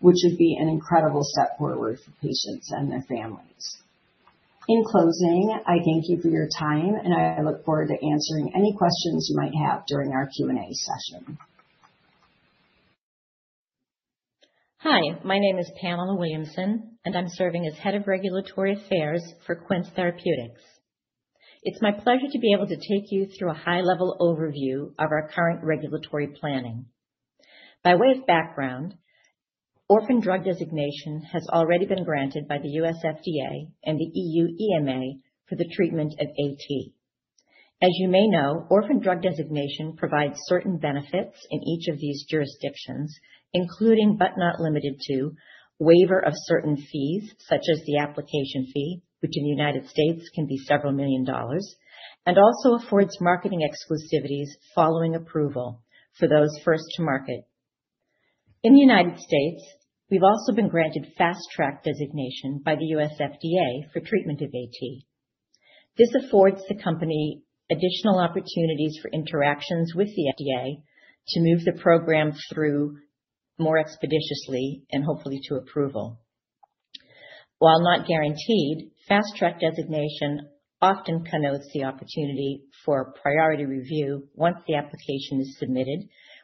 which would be an incredible step forward for patients and their families. In closing, I thank you for your time, and I look forward to answering any questions you might have during our Q&A session. Hi, my name is Pamela Williamson, and I'm serving as Head of Regulatory Affairs for Quince Therapeutics. It's my pleasure to be able to take you through a high-level overview of our current regulatory planning. By way of background, orphan drug designation has already been granted by the U.S. FDA and the E.U. EMA for the treatment of AT. As you may know, orphan drug designation provides certain benefits in each of these jurisdictions, including, but not limited to, waiver of certain fees, such as the application fee, which in the United States can be $several million, and also affords marketing exclusivities following approval for those first to market. In the United States, we've also been granted fast-track designation by the U.S. FDA for treatment of AT. This affords the company additional opportunities for interactions with the FDA to move the program through more expeditiously and hopefully to approval. While not guaranteed, fast-track designation often connotes the opportunity for priority review once the application is submitted,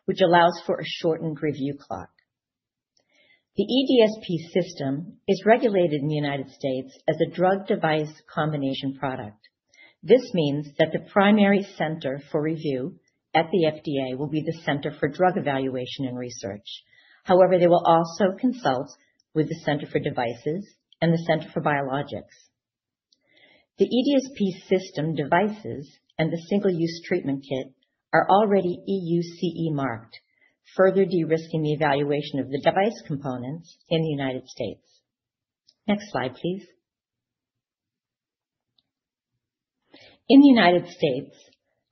which allows for a shortened review clock. The eDSP system is regulated in the United States as a drug-device combination product. This means that the primary center for review at the FDA will be the Center for Drug Evaluation and Research. However, they will also consult with the Center for Devices and the Center for Biologics. The eDSP system devices and the single-use treatment kit are already E.U. CE marked, further de-risking the evaluation of the device components in the United States. Next slide, please. In the United States,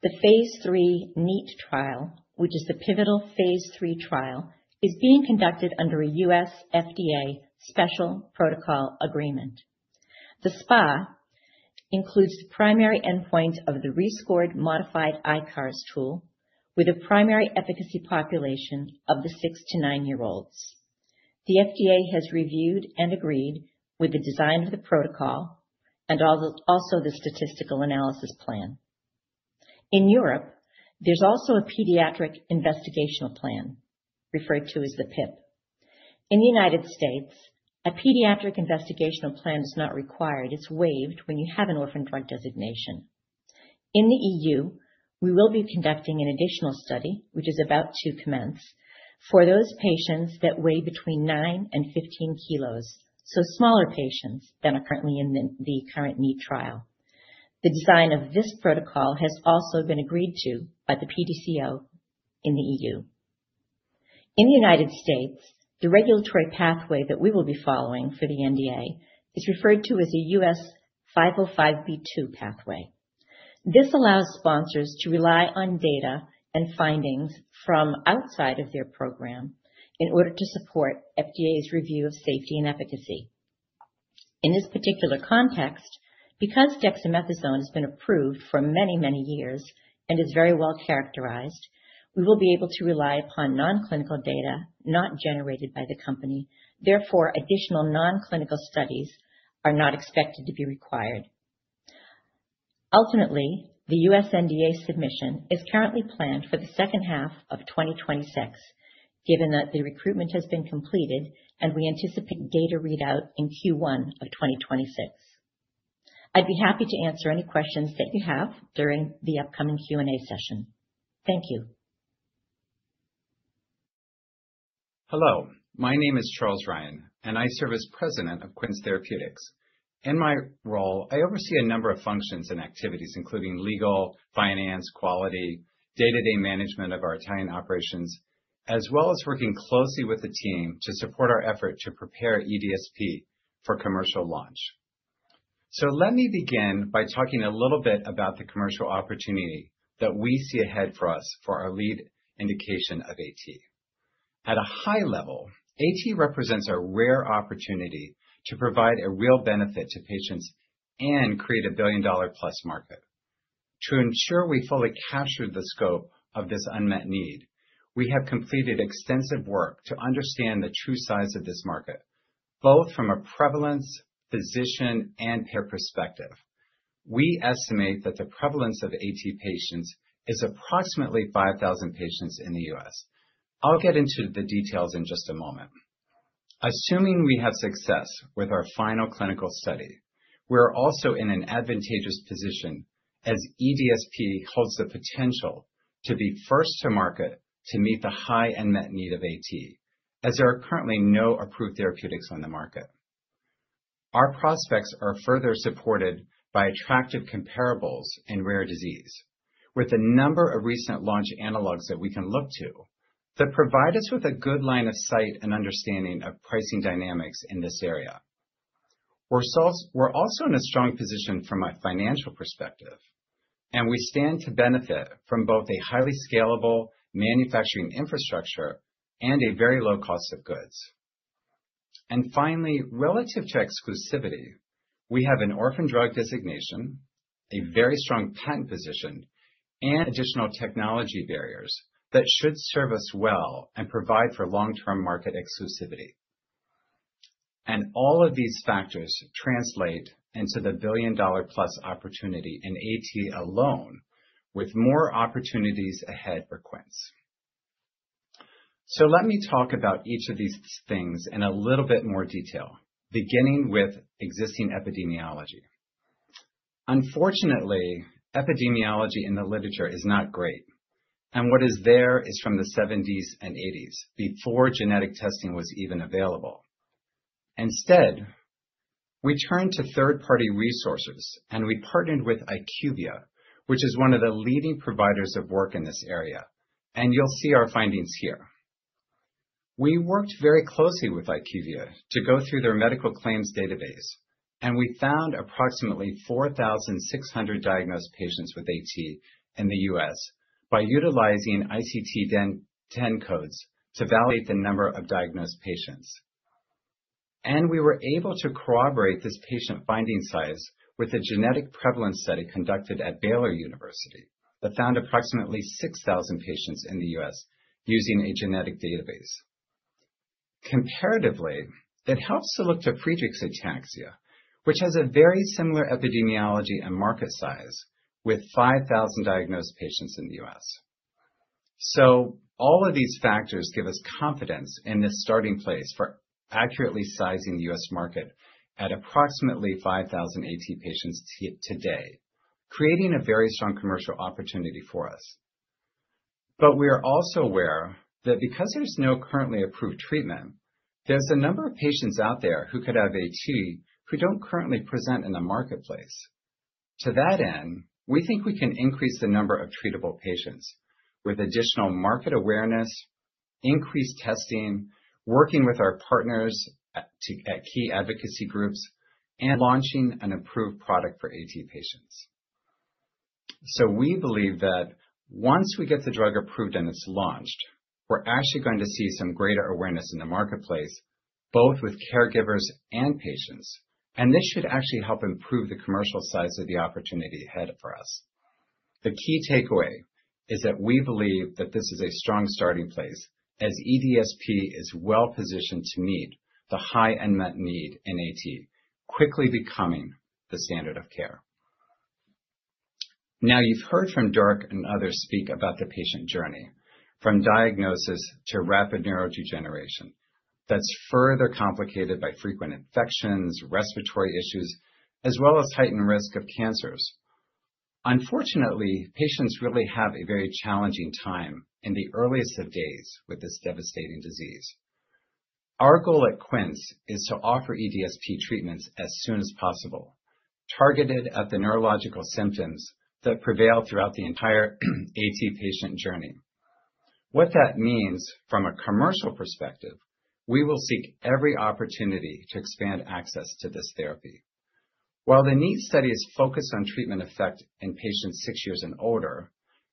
the phase III NEAT trial, which is the pivotal phase III trial, is being conducted under a U.S. FDA special protocol agreement. The SPA includes the primary endpoint of the rescored modified ICARS tool with a primary efficacy population of the six to nine-year-olds. The FDA has reviewed and agreed with the design of the protocol and also the statistical analysis plan. In Europe, there's also a pediatric investigational plan, referred to as the PIP. In the United States, a pediatric investigational plan is not required. It's waived when you have an orphan drug designation. In the E.U., we will be conducting an additional study, which is about to commence, for those patients that weigh between nine and 15 kilos, so smaller patients than are currently in the current NEAT trial. The design of this protocol has also been agreed to by the PDCO in the E.U. In the United States, the regulatory pathway that we will be following for the NDA is referred to as a U.S. 505(b)(2) pathway. This allows sponsors to rely on data and findings from outside of their program in order to support FDA's review of safety and efficacy. In this particular context, because dexamethasone has been approved for many, many years and is very well characterized, we will be able to rely upon non-clinical data not generated by the company. Therefore, additional non-clinical studies are not expected to be required. Ultimately, the U.S. NDA submission is currently planned for the second half of 2026, given that the recruitment has been completed, and we anticipate data readout in Q1 of 2026. I'd be happy to answer any questions that you have during the upcoming Q&A session. Thank you. Hello. My name is Charles Ryan, and I serve as President of Quince Therapeutics. In my role, I oversee a number of functions and activities, including legal, finance, quality, day-to-day management of our Italian operations, as well as working closely with the team to support our effort to prepare eDSP for commercial launch. So let me begin by talking a little bit about the commercial opportunity that we see ahead for us for our lead indication of AT. At a high level, AT represents a rare opportunity to provide a real benefit to patients and create a billion-dollar-plus market. To ensure we fully capture the scope of this unmet need, we have completed extensive work to understand the true size of this market, both from a prevalence, physician, and payer perspective. We estimate that the prevalence of AT patients is approximately 5,000 patients in the U.S. I'll get into the details in just a moment. Assuming we have success with our final clinical study, we're also in an advantageous position as eDSP holds the potential to be first to market to meet the high unmet need of AT, as there are currently no approved therapeutics on the market. Our prospects are further supported by attractive comparables in rare disease, with a number of recent launch analogs that we can look to that provide us with a good line of sight and understanding of pricing dynamics in this area. We're also in a strong position from a financial perspective, and we stand to benefit from both a highly scalable manufacturing infrastructure and a very low cost of goods. And finally, relative to exclusivity, we have an Orphan Drug Designation, a very strong patent position, and additional technology barriers that should serve us well and provide for long-term market exclusivity. And all of these factors translate into the billion-dollar-plus opportunity in AT alone, with more opportunities ahead for Quince. So let me talk about each of these things in a little bit more detail, beginning with existing epidemiology. Unfortunately, epidemiology in the literature is not great, and what is there is from the 1970s and 1980s, before genetic testing was even available. Instead, we turned to third-party resources, and we partnered with IQVIA, which is one of the leading providers of work in this area. You'll see our findings here. We worked very closely with IQVIA to go through their medical claims database, and we found approximately 4,600 diagnosed patients with AT in the U.S. by utilizing ICD-10 codes to validate the number of diagnosed patients. We were able to corroborate this patient finding size with a genetic prevalence study conducted at Baylor University that found approximately 6,000 patients in the U.S. using a genetic database. Comparatively, it helps to look to Friedreich's ataxia, which has a very similar epidemiology and market size with 5,000 diagnosed patients in the U.S. So all of these factors give us confidence in this starting place for accurately sizing the U.S. market at approximately 5,000 AT patients today, creating a very strong commercial opportunity for us. But we are also aware that because there's no currently approved treatment, there's a number of patients out there who could have AT who don't currently present in the marketplace. To that end, we think we can increase the number of treatable patients with additional market awareness, increased testing, working with our partners at key advocacy groups, and launching an approved product for AT patients. So we believe that once we get the drug approved and it's launched, we're actually going to see some greater awareness in the marketplace, both with caregivers and patients. And this should actually help improve the commercial size of the opportunity ahead for us. The key takeaway is that we believe that this is a strong starting place as eDSP is well positioned to meet the high unmet need in AT, quickly becoming the standard of care. Now, you've heard from Dirk and others speak about the patient journey, from diagnosis to rapid neurodegeneration that's further complicated by frequent infections, respiratory issues, as well as heightened risk of cancers. Unfortunately, patients really have a very challenging time in the earliest of days with this devastating disease. Our goal at Quince is to offer eDSP treatments as soon as possible, targeted at the neurological symptoms that prevail throughout the entire AT patient journey. What that means from a commercial perspective, we will seek every opportunity to expand access to this therapy. While the NEAT study is focused on treatment effect in patients six years and older,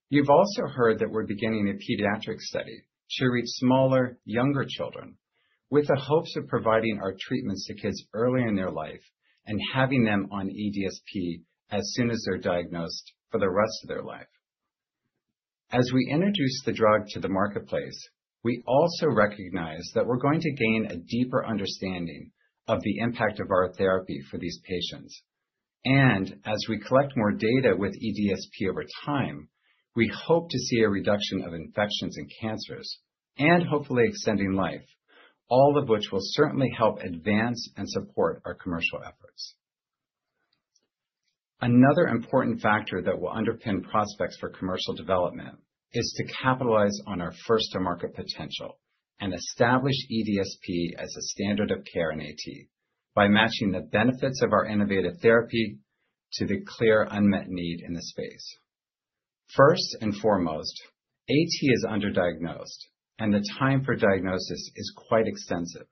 you've also heard that we're beginning a pediatric study to reach smaller, younger children with the hopes of providing our treatments to kids early in their life and having them on eDSP as soon as they're diagnosed for the rest of their life. As we introduce the drug to the marketplace, we also recognize that we're going to gain a deeper understanding of the impact of our therapy for these patients. And as we collect more data with eDSP over time, we hope to see a reduction of infections and cancers and hopefully extending life, all of which will certainly help advance and support our commercial efforts. Another important factor that will underpin prospects for commercial development is to capitalize on our first-to-market potential and establish eDSP as a standard of care in AT by matching the benefits of our innovative therapy to the clear unmet need in the space. First and foremost, AT is underdiagnosed, and the time for diagnosis is quite extensive.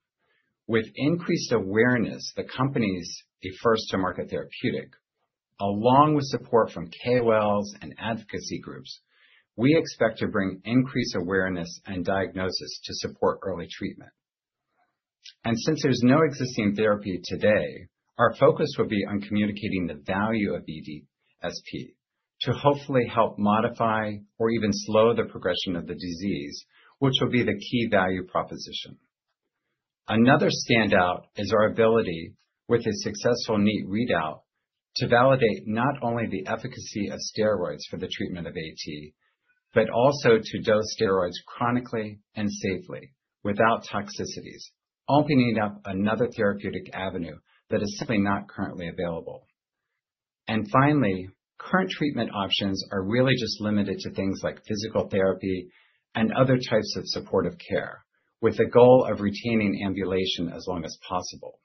With increased awareness, the company is a first-to-market therapeutic, along with support from KOLs and advocacy groups, we expect to bring increased awareness and diagnosis to support early treatment, and since there's no existing therapy today, our focus will be on communicating the value of eDSP to hopefully help modify or even slow the progression of the disease, which will be the key value proposition. Another standout is our ability, with a successful NEAT readout, to validate not only the efficacy of steroids for the treatment of AT, but also to dose steroids chronically and safely without toxicities, opening up another therapeutic avenue that is simply not currently available. And finally, current treatment options are really just limited to things like physical therapy and other types of supportive care, with the goal of retaining ambulation as long as possible.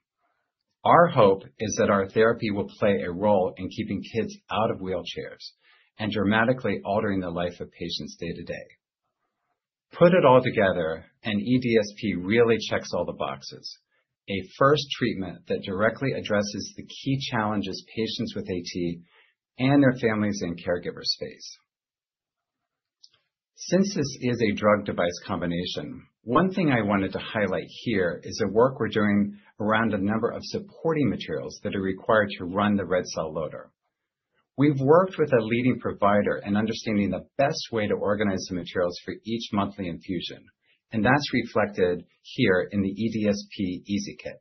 Our hope is that our therapy will play a role in keeping kids out of wheelchairs and dramatically altering the life of patients day to day. Put it all together, an eDSP really checks all the boxes, a first treatment that directly addresses the key challenges patients with AT and their families and caregivers face. Since this is a drug-device combination, one thing I wanted to highlight here is the work we're doing around a number of supporting materials that are required to run the Red Cell Loader. We've worked with a leading provider in understanding the best way to organize the materials for each monthly infusion, and that's reflected here in the EryKit.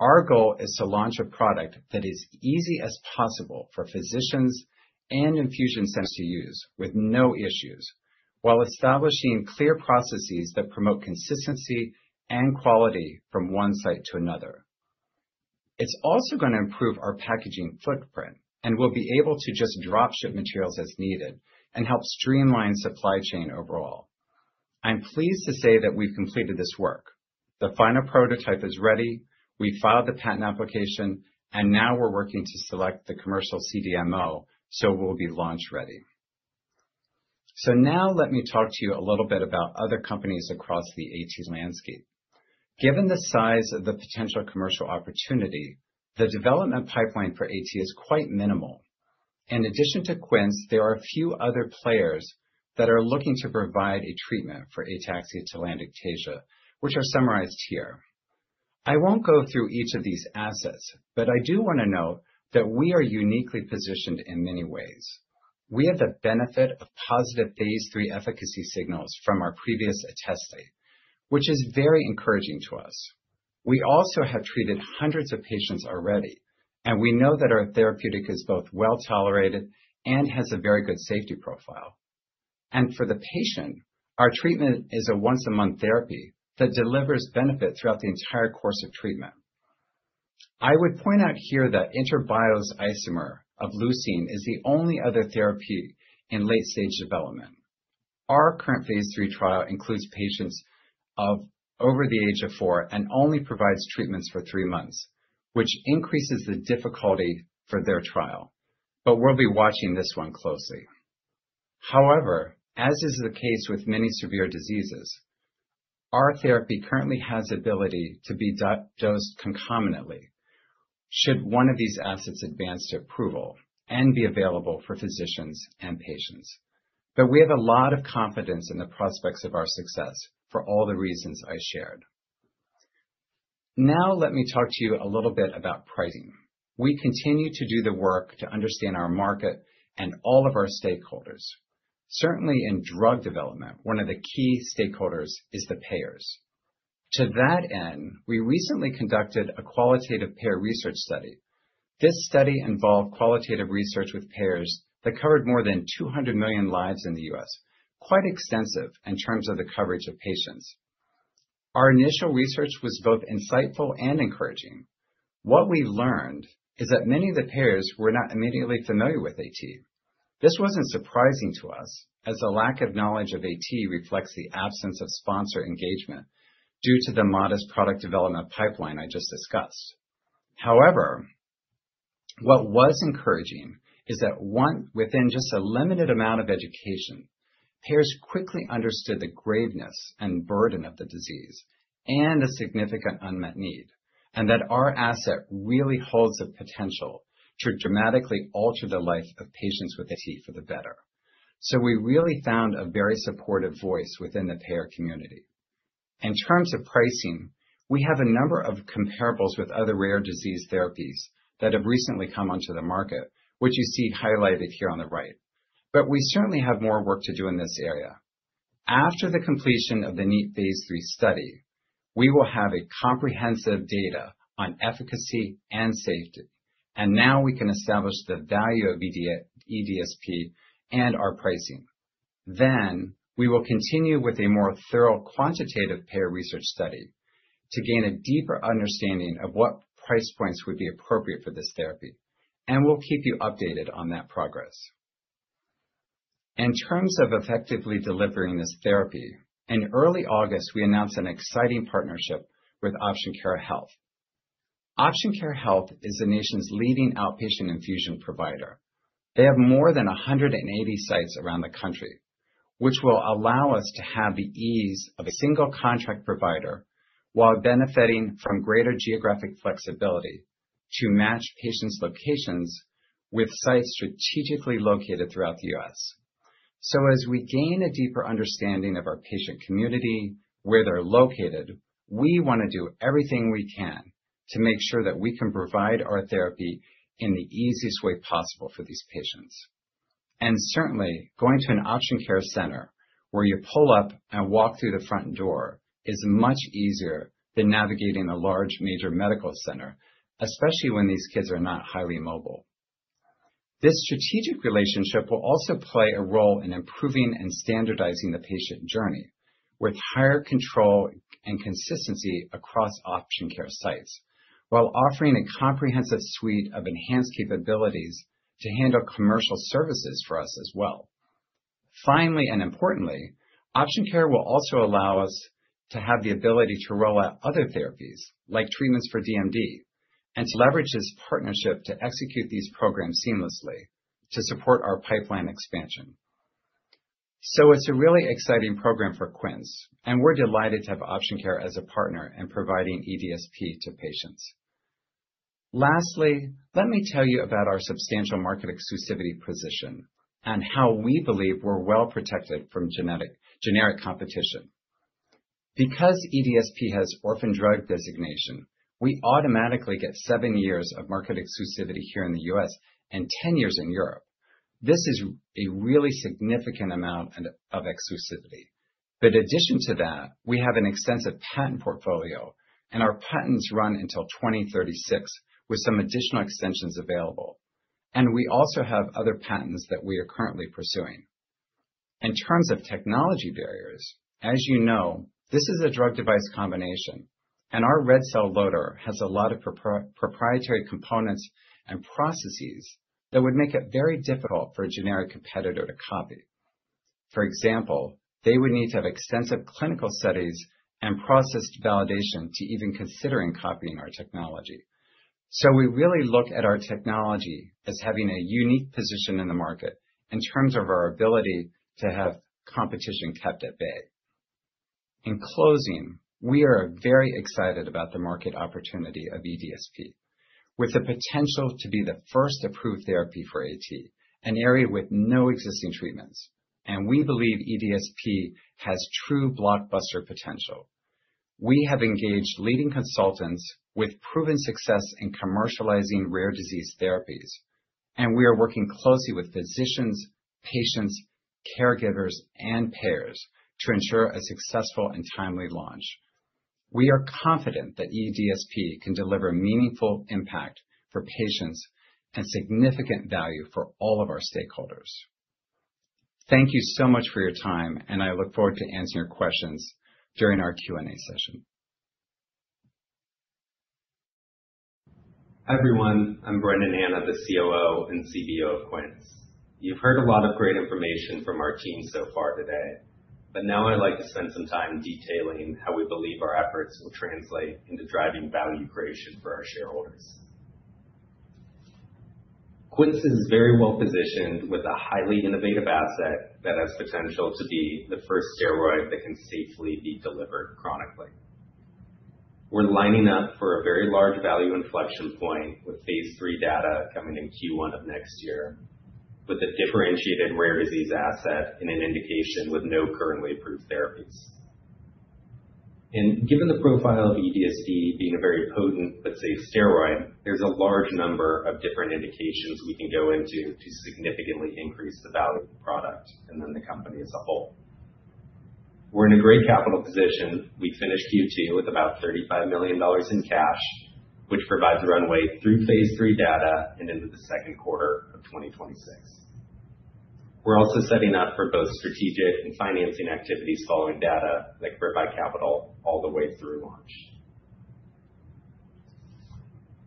Our goal is to launch a product that is as easy as possible for physicians and infusion centers to use with no issues, while establishing clear processes that promote consistency and quality from one site to another. It's also going to improve our packaging footprint, and we'll be able to just drop ship materials as needed and help streamline supply chain overall. I'm pleased to say that we've completed this work. The final prototype is ready. We filed the patent application, and now we're working to select the commercial CDMO, so we'll be launch ready. So now let me talk to you a little bit about other companies across the AT landscape. Given the size of the potential commercial opportunity, the development pipeline for AT is quite minimal. In addition to Quince, there are a few other players that are looking to provide a treatment for ataxia-telangiectasia, which are summarized here. I won't go through each of these assets, but I do want to note that we are uniquely positioned in many ways. We have the benefit of positive phase III efficacy signals from our previous testing, which is very encouraging to us. We also have treated hundreds of patients already, and we know that our therapeutic is both well tolerated and has a very good safety profile. For the patient, our treatment is a once-a-month therapy that delivers benefit throughout the entire course of treatment. I would point out here that IntraBio's N-acetyl-L-leucine is the only other therapy in late-stage development. Our current phase III trial includes patients over the age of four and only provides treatments for three months, which increases the difficulty for their trial, but we'll be watching this one closely. However, as is the case with many severe diseases, our therapy currently has the ability to be dosed concomitantly should one of these assets advance to approval and be available for physicians and patients. But we have a lot of confidence in the prospects of our success for all the reasons I shared. Now let me talk to you a little bit about pricing. We continue to do the work to understand our market and all of our stakeholders. Certainly, in drug development, one of the key stakeholders is the payers. To that end, we recently conducted a qualitative payer research study. This study involved qualitative research with payers that covered more than 200 million lives in the U.S., quite extensive in terms of the coverage of patients. Our initial research was both insightful and encouraging. What we learned is that many of the payers were not immediately familiar with AT. This wasn't surprising to us, as the lack of knowledge of AT reflects the absence of sponsor engagement due to the modest product development pipeline I just discussed. However, what was encouraging is that within just a limited amount of education, payers quickly understood the graveness and burden of the disease and the significant unmet need, and that our asset really holds the potential to dramatically alter the life of patients with AT for the better. So we really found a very supportive voice within the payer community. In terms of pricing, we have a number of comparables with other rare disease therapies that have recently come onto the market, which you see highlighted here on the right. But we certainly have more work to do in this area. After the completion of the NEAT phase III study, we will have comprehensive data on efficacy and safety, and now we can establish the value of eDSP and our pricing. Then we will continue with a more thorough quantitative payer research study to gain a deeper understanding of what price points would be appropriate for this therapy, and we'll keep you updated on that progress. In terms of effectively delivering this therapy, in early August, we announced an exciting partnership with Option Care Health. Option Care Health is the nation's leading outpatient infusion provider. They have more than 180 sites around the country, which will allow us to have the ease of a single contract provider while benefiting from greater geographic flexibility to match patients' locations with sites strategically located throughout the U.S. So as we gain a deeper understanding of our patient community, where they're located, we want to do everything we can to make sure that we can provide our therapy in the easiest way possible for these patients, and certainly, going to an Option Care center where you pull up and walk through the front door is much easier than navigating a large major medical center, especially when these kids are not highly mobile. This strategic relationship will also play a role in improving and standardizing the patient journey with higher control and consistency across Option Care sites, while offering a comprehensive suite of enhanced capabilities to handle commercial services for us as well. Finally, and importantly, Option Care will also allow us to have the ability to roll out other therapies like treatments for DMD and to leverage this partnership to execute these programs seamlessly to support our pipeline expansion. So it's a really exciting program for Quince, and we're delighted to have Option Care as a partner in providing eDSP to patients. Lastly, let me tell you about our substantial market exclusivity position and how we believe we're well protected from generic competition. Because eDSP has orphan drug designation, we automatically get seven years of market exclusivity here in the U.S. and 10 years in Europe. This is a really significant amount of exclusivity. But in addition to that, we have an extensive patent portfolio, and our patents run until 2036 with some additional extensions available. And we also have other patents that we are currently pursuing. In terms of technology barriers, as you know, this is a drug-device combination, and our Red Cell Loader has a lot of proprietary components and processes that would make it very difficult for a generic competitor to copy. For example, they would need to have extensive clinical studies and process validation to even consider copying our technology. So we really look at our technology as having a unique position in the market in terms of our ability to have competition kept at bay. In closing, we are very excited about the market opportunity of eDSP, with the potential to be the first approved therapy for AT, an area with no existing treatments. And we believe eDSP has true blockbuster potential. We have engaged leading consultants with proven success in commercializing rare disease therapies, and we are working closely with physicians, patients, caregivers, and payers to ensure a successful and timely launch. We are confident that eDSP can deliver a meaningful impact for patients and significant value for all of our stakeholders. Thank you so much for your time, and I look forward to answering your questions during our Q&A session. Hi everyone. I'm Brendan Hanna, the COO and CBO of Quince. You've heard a lot of great information from our team so far today, but now I'd like to spend some time detailing how we believe our efforts will translate into driving value creation for our shareholders. Quince is very well positioned with a highly innovative asset that has potential to be the first steroid that can safely be delivered chronically. We're lining up for a very large value inflection point with phase III data coming in Q1 of next year, with a differentiated rare disease asset in an indication with no currently approved therapies, and given the profile of eDSP being a very potent, but safe steroid, there's a large number of different indications we can go into to significantly increase the value of the product and then the company as a whole. We're in a great capital position. We finished Q2 with about $35 million in cash, which provides runway through phase III data and into the second quarter of 2026. We're also setting up for both strategic and financing activities following data like right-by-capital all the way through launch.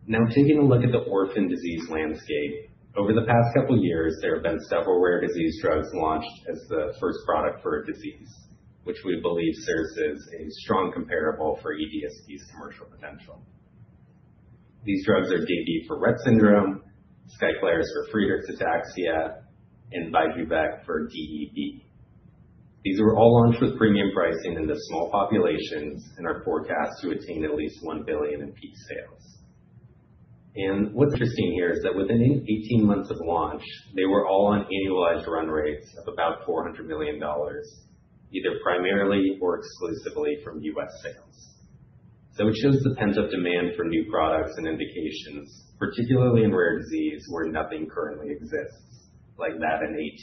Now, taking a look at the orphan disease landscape, over the past couple of years, there have been several rare disease drugs launched as the first product for a disease, which we believe serves as a strong comparable for eDSP's commercial potential. These drugs are Daybue for Rett syndrome, Skyclarys for Friedreich's ataxia, and Vyjuvek for DEB. These were all launched with premiu m pricing into small populations and are forecast to attain at least $1 billion in peak sales, and what's interesting here is that within 18 months of launch, they were all on annualized run rates of about $400 million, either primarily or exclusively from U.S. sales, so it shows the pent-up demand for new products and indications, particularly in rare disease where nothing currently exists, like that in AT.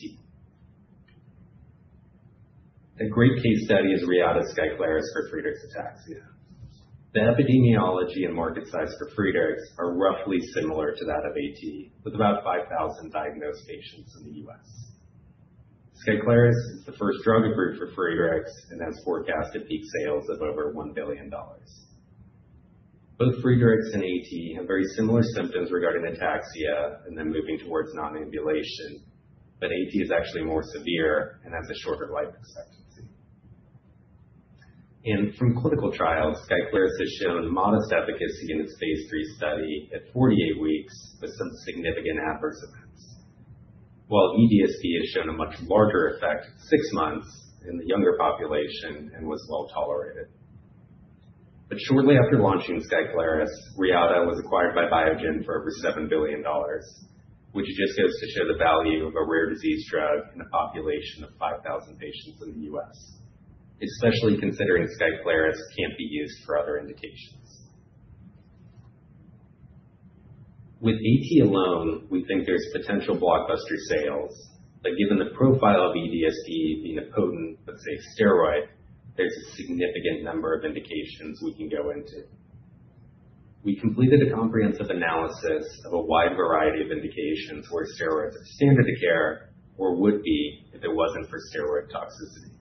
A great case study is Reata's Skyclarys for Friedreich's ataxia. The epidemiology and market size for Friedreich's are roughly similar to that of AT, with about 5,000 diagnosed patients in the U.S. Skyclarys is the first drug approved for Friedreich's and has forecasted peak sales of over $1 billion. Both Friedreich's and AT have very similar symptoms regarding ataxia and then moving towards non-ambulation, but AT is actually more severe and has a shorter life expectancy, and from clinical trials, Skyclarys has shown modest efficacy in its phase III study at 48 weeks with some significant adverse events, while eDSP has shown a much larger effect at six months in the younger population and was well tolerated. But shortly after launching Skyclarys, Reata was acquired by Biogen for over $7 billion, which just goes to show the value of a rare disease drug in a population of 5,000 patients in the U.S., especially considering Skyclarys can't be used for other indications. With AT alone, we think there's potential blockbuster sales, but given the profile of eDSP being a potent, but safe steroid, there's a significant number of indications we can go into. We completed a comprehensive analysis of a wide variety of indications where steroids are standard of care or would be if it wasn't for steroid toxicity.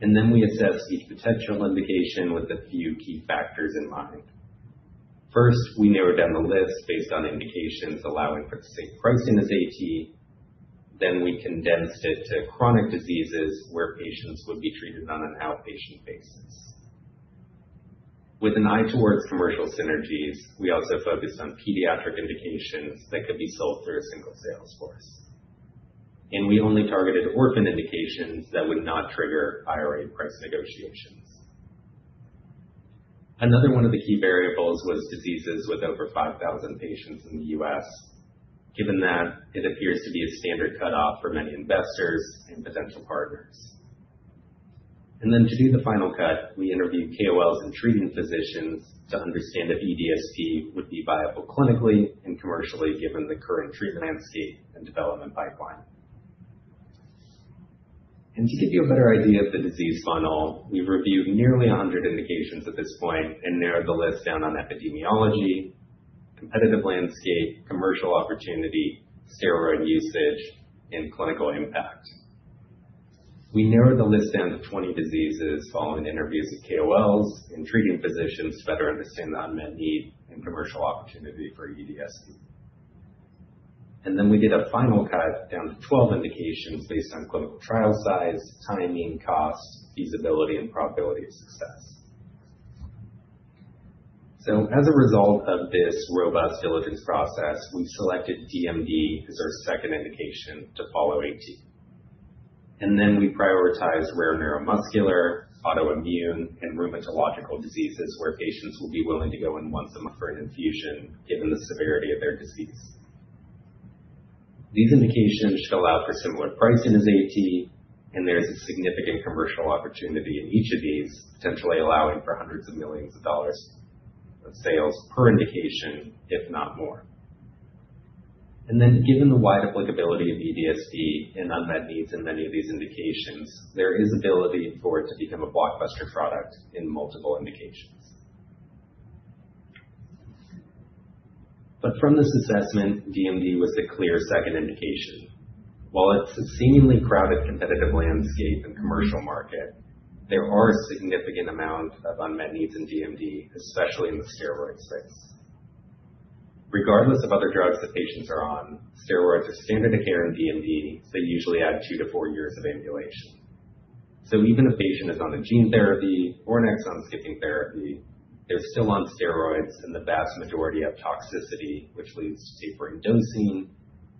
And then we assessed each potential indication with a few key factors in mind. First, we narrowed down the list based on indications allowing for the safe pricing as AT. Then we condensed it to chronic diseases where patients would be treated on an outpatient basis. With an eye towards commercial synergies, we also focused on pediatric indications that could be sold through a single sales force. We only targeted orphan indications that would not trigger IRA price negotiations. Another one of the key variables was diseases with over 5,000 patients in the U.S., given that it appears to be a standard cutoff for many investors and potential partners. Then to do the final cut, we interviewed KOLs and treating physicians to understand if eDSP would be viable clinically and commercially given the current treatment landscape and development pipeline. To give you a better idea of the disease funnel, we've reviewed nearly 100 indications at this point and narrowed the list down on epidemiology, competitive landscape, commercial opportunity, steroid usage, and clinical impact. We narrowed the list down to 20 diseases following interviews with KOLs and treating physicians to better understand the unmet need and commercial opportunity for eDSP, and then we did a final cut down to 12 indications based on clinical trial size, timing, cost, feasibility, and probability of success, so as a result of this robust diligence process, we selected DMD as our second indication to follow AT, and then we prioritized rare neuromuscular, autoimmune, and rheumatological diseases where patients will be willing to go in once a month for an infusion given the severity of their disease. These indications should allow for similar pricing as AT, and there's a significant commercial opportunity in each of these, potentially allowing for hundreds of millions of dollars of sales per indication, if not more. And then given the wide applicability of eDSP and unmet needs in many of these indications, there is ability for it to become a blockbuster product in multiple indications. But from this assessment, DMD was the clear second indication. While it's a seemingly crowded competitive landscape and commercial market, there are a significant amount of unmet needs in DMD, especially in the steroid space. Regardless of other drugs that patients are on, steroids are standard of care in DMD, so they usually add two to four years of ambulation. So even if a patient is on a gene therapy or an exon-skipping therapy, they're still on steroids in the vast majority of toxicity, which leads to tapering dosing,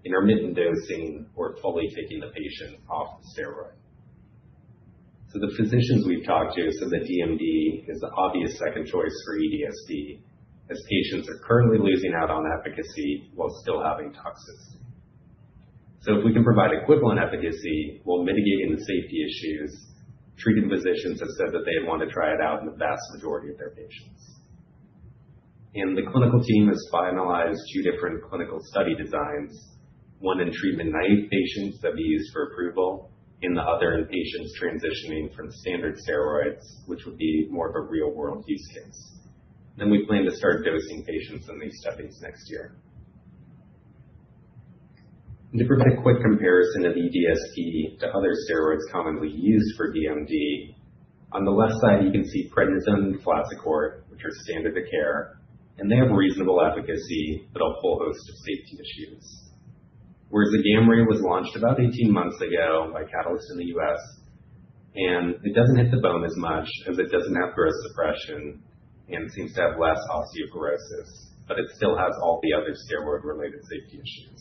intermittent dosing, or fully taking the patient off the steroid. The physicians we've talked to said that DMD is the obvious second choice for eDSP as patients are currently losing out on efficacy while still having toxicity. If we can provide equivalent efficacy while mitigating the safety issues, treating physicians have said that they want to try it out in the vast majority of their patients. The clinical team has finalized two different clinical study designs, one in treatment naive patients that we use for approval, and the other in patients transitioning from standard steroids, which would be more of a real-world use case. We plan to start dosing patients in these studies next year. And to provide a quick comparison of eDSP to other steroids commonly used for DMD, on the left side, you can see prednisone and deflazacort, which are standard of care, and they have reasonable efficacy, but a whole host of safety issues. Whereas the Agamree was launched about 18 months ago by Catalyst in the U.S., and it doesn't hit the bone as much as it doesn't have growth suppression and seems to have less osteoporosis, but it still has all the other steroid-related safety issues.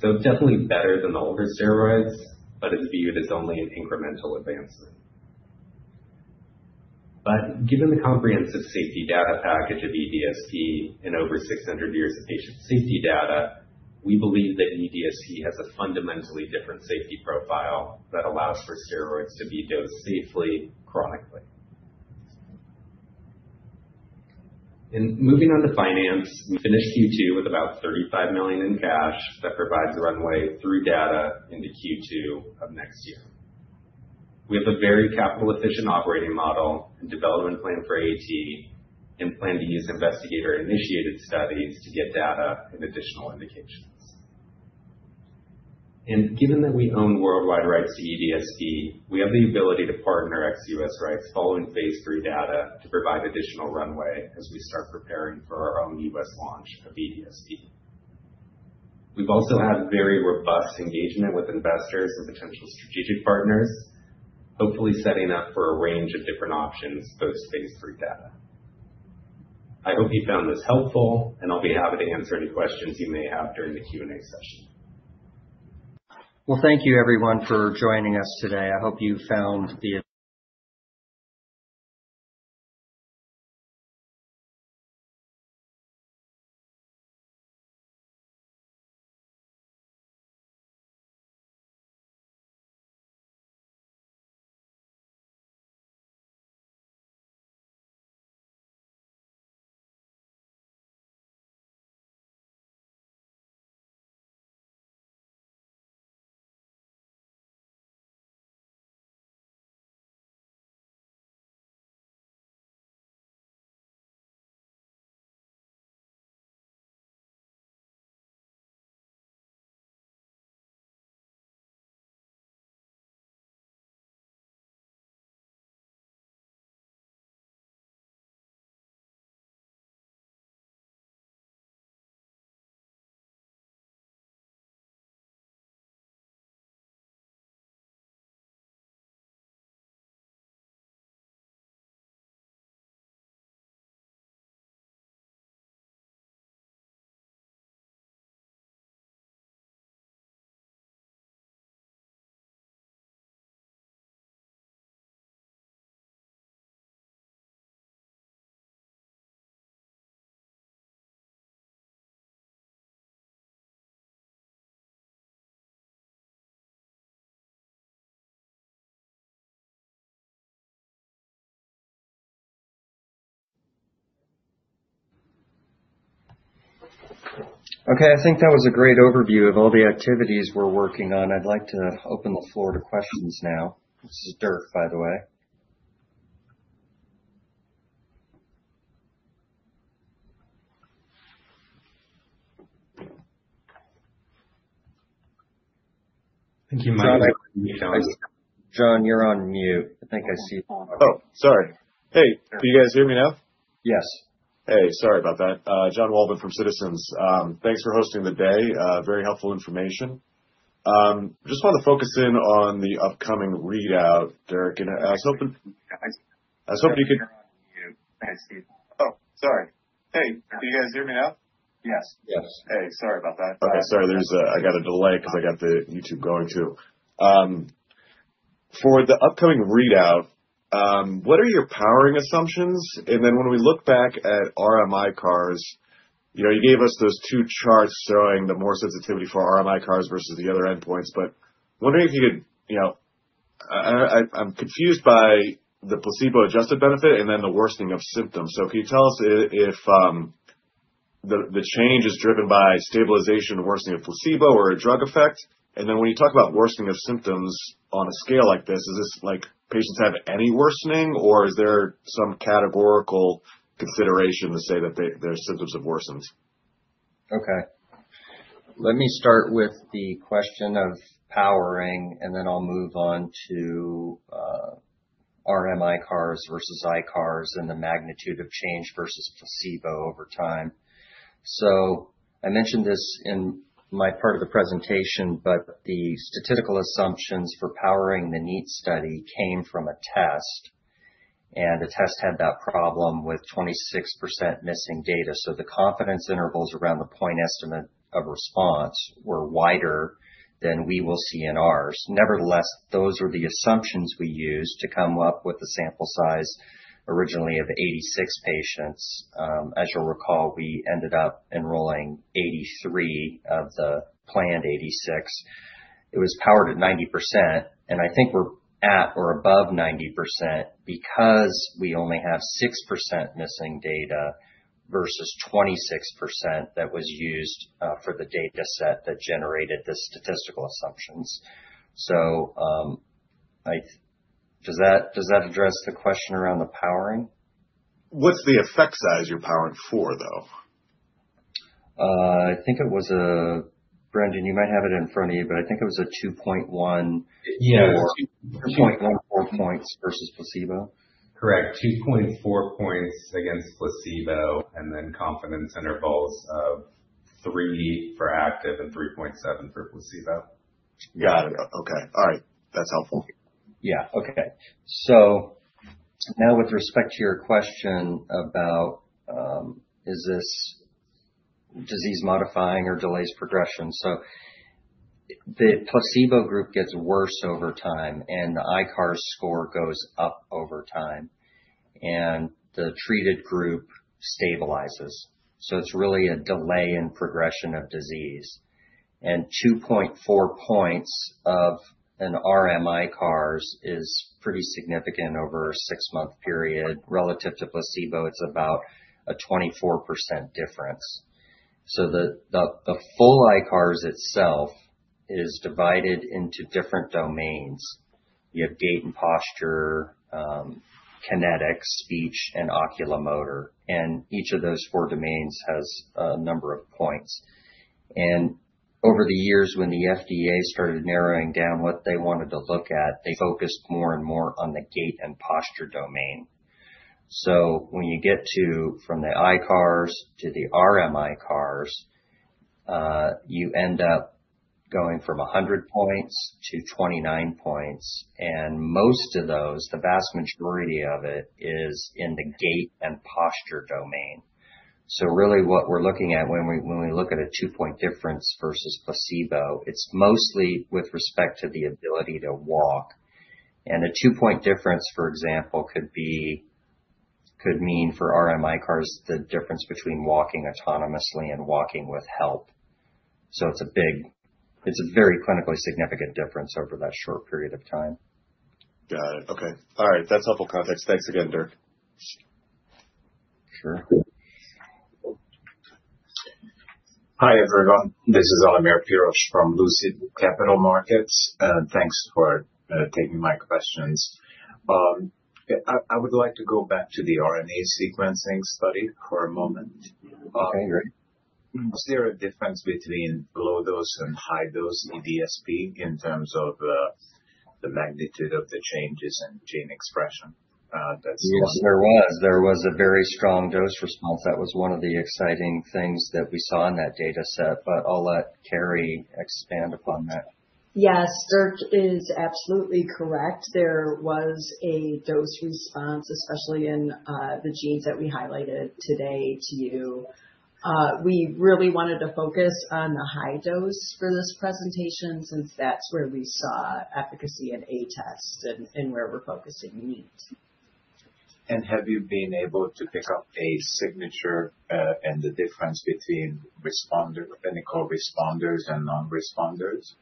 So definitely better than the older steroids, but it's viewed as only an incremental advancement. But given the comprehensive safety data package of eDSP and over 600 years of patient safety data, we believe that eDSP has a fundamentally different safety profile that allows for steroids to be dosed safely chronically. And moving on to finance, we finished Q2 with about $35 million in cash that provides runway through data into Q2 of next year. We have a very capital-efficient operating model and development plan for AT and plan to use investigator-initiated studies to get data and additional indications. And given that we own worldwide rights to eDSP, we have the ability to partner ex-U.S. rights following phase III data to provide additional runway as we start preparing for our own U.S. launch of eDSP. We've also had very robust engagement with investors and potential strategic partners, hopefully setting up for a range of different options, both phase III data. I hope you found this helpful, and I'll be happy to answer any questions you may have during the Q&A session. Well, thank you, everyone, for joining us today. I hope you found the. Okay, I think that was a great overview of all the activities we're working on. I'd like to open the floor to questions now. This is Dirk, by the way. Thank you, Mike. John, you're on mute. I think I see you. Oh, sorry. Hey, do you guys hear me now? Yes. Hey, sorry aboutthat. John Walton from Citizens. Thanks for hosting the day. Very helpful information. Just wanted to focus in on the upcoming readout, Dirk, and I was hoping you could. Okay, sorry. I got a delay because I got the YouTube going too. For the upcoming readout, what are your powering assumptions? And then when we look back at RMICARS, you gave us those two charts showing the more sensitivity for RMICARS versus the other endpoints, but wondering if you could, I'm confused by the placebo-adjusted benefit and then the worsening of symptoms. So can you tell us if the change is driven by stabilization or worsening of placebo or a drug effect? And then when you talk about worsening of symptoms on a scale like this, is this like patients have any worsening, or is there some categorical consideration to say that their symptoms have worsened? Okay. Let me start with the question of powering, and then I'll move on to RMICARS versus ICARS and the magnitude of change versus placebo over time. So I mentioned this in my part of the presentation, but the statistical assumptions for powering the NEAT study came from ATTeST, and ATTeST had that problem with 26% missing data. So the confidence intervals around the point estimate of response were wider than we will see in ours. Nevertheless, those were the assumptions we used to come up with the sample size originally of 86 patients. As you'll recall, we ended up enrolling 83 of the planned 86. It was powered at 90%, and I think we're at or above 90% because we only have 6% missing data versus 26% that was used for the data set that generated the statistical assumptions. So does that address the question around the powering? What's the effect size you're powering for, though? I think it was a, Brendan, you might have it in front of you, but I think it was a 2.14 points versus placebo. Correct. 2.4 points against placebo. And then confidence intervals of 3 for active and 3.7 for placebo. Got it. Okay. All right. That's helpful. Yeah. Okay. So now with respect to your question about is this disease modifying or delays progression. So the placebo group gets worse over time, and the ICARS score goes up over time, and the treated group stabilizes. So it's really a delay in progression of disease. And 2.4 points of an RMICARS is pretty significant over a six-month period. Relative to placebo, it's about a 24% difference. So the full ICARS itself is divided into different domains. You have gait and posture, kinetics, speech, and oculomotor. And each of those four domains has a number of points. Over the years, when the FDA started narrowing down what they wanted to look at, they focused more and more on the gait and posture domain. When you get from the ICARS to the RMICARS, you end up going from 100 points to 29 points. Most of those, the vast majority of it, is in the gait and posture domain. Really what we're looking at when we look at a two-point difference versus placebo, it's mostly with respect to the ability to walk. A two-point difference, for example, could mean for RMICARS the difference between walking autonomously and walking with help. It's a very clinically significant difference over that short period of time. Got it. Okay. All right. That's helpful context. Thanks again, Dirk. Sure. Hi, everyone. This is Omer Pirosh from Lucid Capital Markets. Thanks for taking my questions. I would like to go back to the RNA sequencing study for a moment. Is there a difference between low-dose and high-dose eDSP in terms of the magnitude of the changes in gene expression? Yes, there was. There was a very strong dose response. That was one of the exciting things that we saw in that data set. But I'll let Caralee expand upon that. Yes, Dirk is absolutely correct. There was a dose response, especially in the genes that we highlighted today to you. We really wanted to focus on the high dose for this presentation since that's where we saw efficacy in ATTeST and where we're focusing NEAT. And have you been able to pick up a signature and the difference between core responders and non-responders?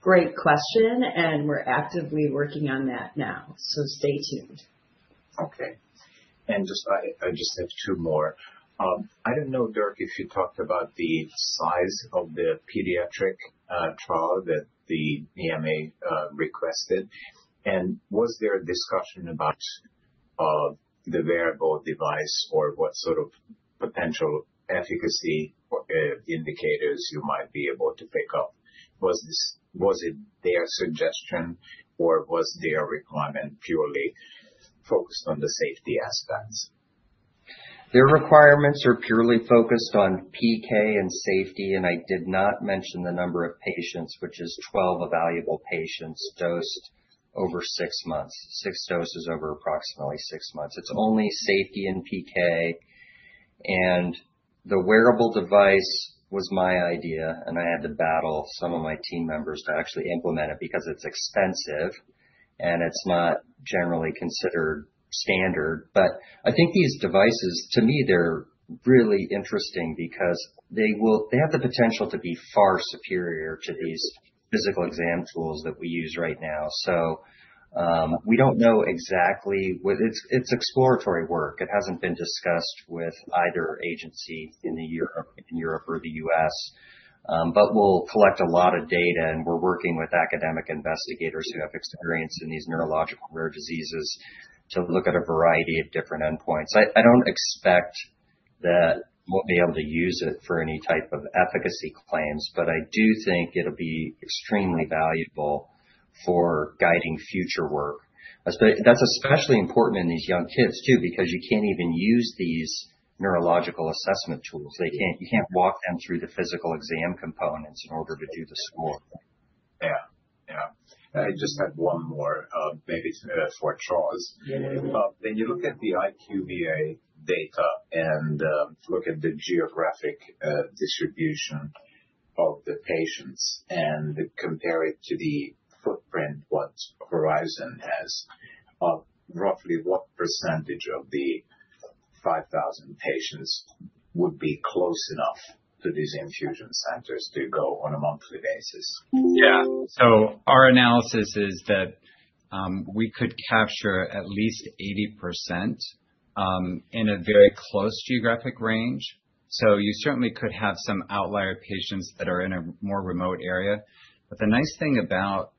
Great question, and we're actively working on that now. So stay tuned. Okay. And I just have two more. I don't know, Dirk, if you talked about the size of the pediatric trial that the EMA requested? Was there a discussion about the wearable device or what sort of potential efficacy indicators you might be able to pick up? Was it their suggestion, or was their requirement purely focused on the safety aspects? Their requirements are purely focused on PK and safety, and I did not mention the number of patients, which is 12 evaluable patients dosed over six months, six doses over approximately six months. It's only safety and PK. The wearable device was my idea, and I had to battle some of my team members to actually implement it because it's expensive and it's not generally considered standard. But I think these devices, to me, they're really interesting because they have the potential to be far superior to these physical exam tools that we use right now. So we don't know exactly what it's exploratory work. It hasn't been discussed with either agency in Europe or the US, but we'll collect a lot of data, and we're working with academic investigators who have experience in these neurological rare diseases to look at a variety of different endpoints. I don't expect that we'll be able to use it for any type of efficacy claims, but I do think it'll be extremely valuable for guiding future work. That's especially important in these young kids, too, because you can't even use these neurological assessment tools. You can't walk them through the physical exam components in order to do the score. Yeah. Yeah. I just had one more, maybe it's a bit of a short question. When you look at the IQVIA data and look at the geographic distribution of the patients and compare it to the footprint what Horizon has, roughly what percentage of the 5,000 patients would be close enough to these infusion centers to go on a monthly basis? Yeah. So our analysis is that we could capture at least 80% in a very close geographic range. So you certainly could have some outlier patients that are in a more remote area. But the nice thing about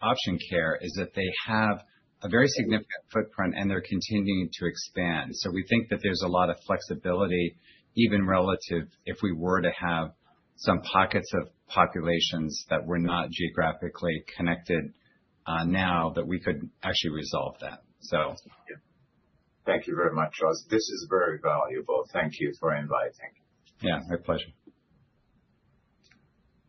Option Care is that they have a very significant footprint, and they're continuing to expand. So we think that there's a lot of flexibility, even relative if we were to have some pockets of populations that were not geographically connected now that we could actually resolve that. So thank you very much, Charles. This is very valuable. Thank you for inviting. Yeah, my pleasure.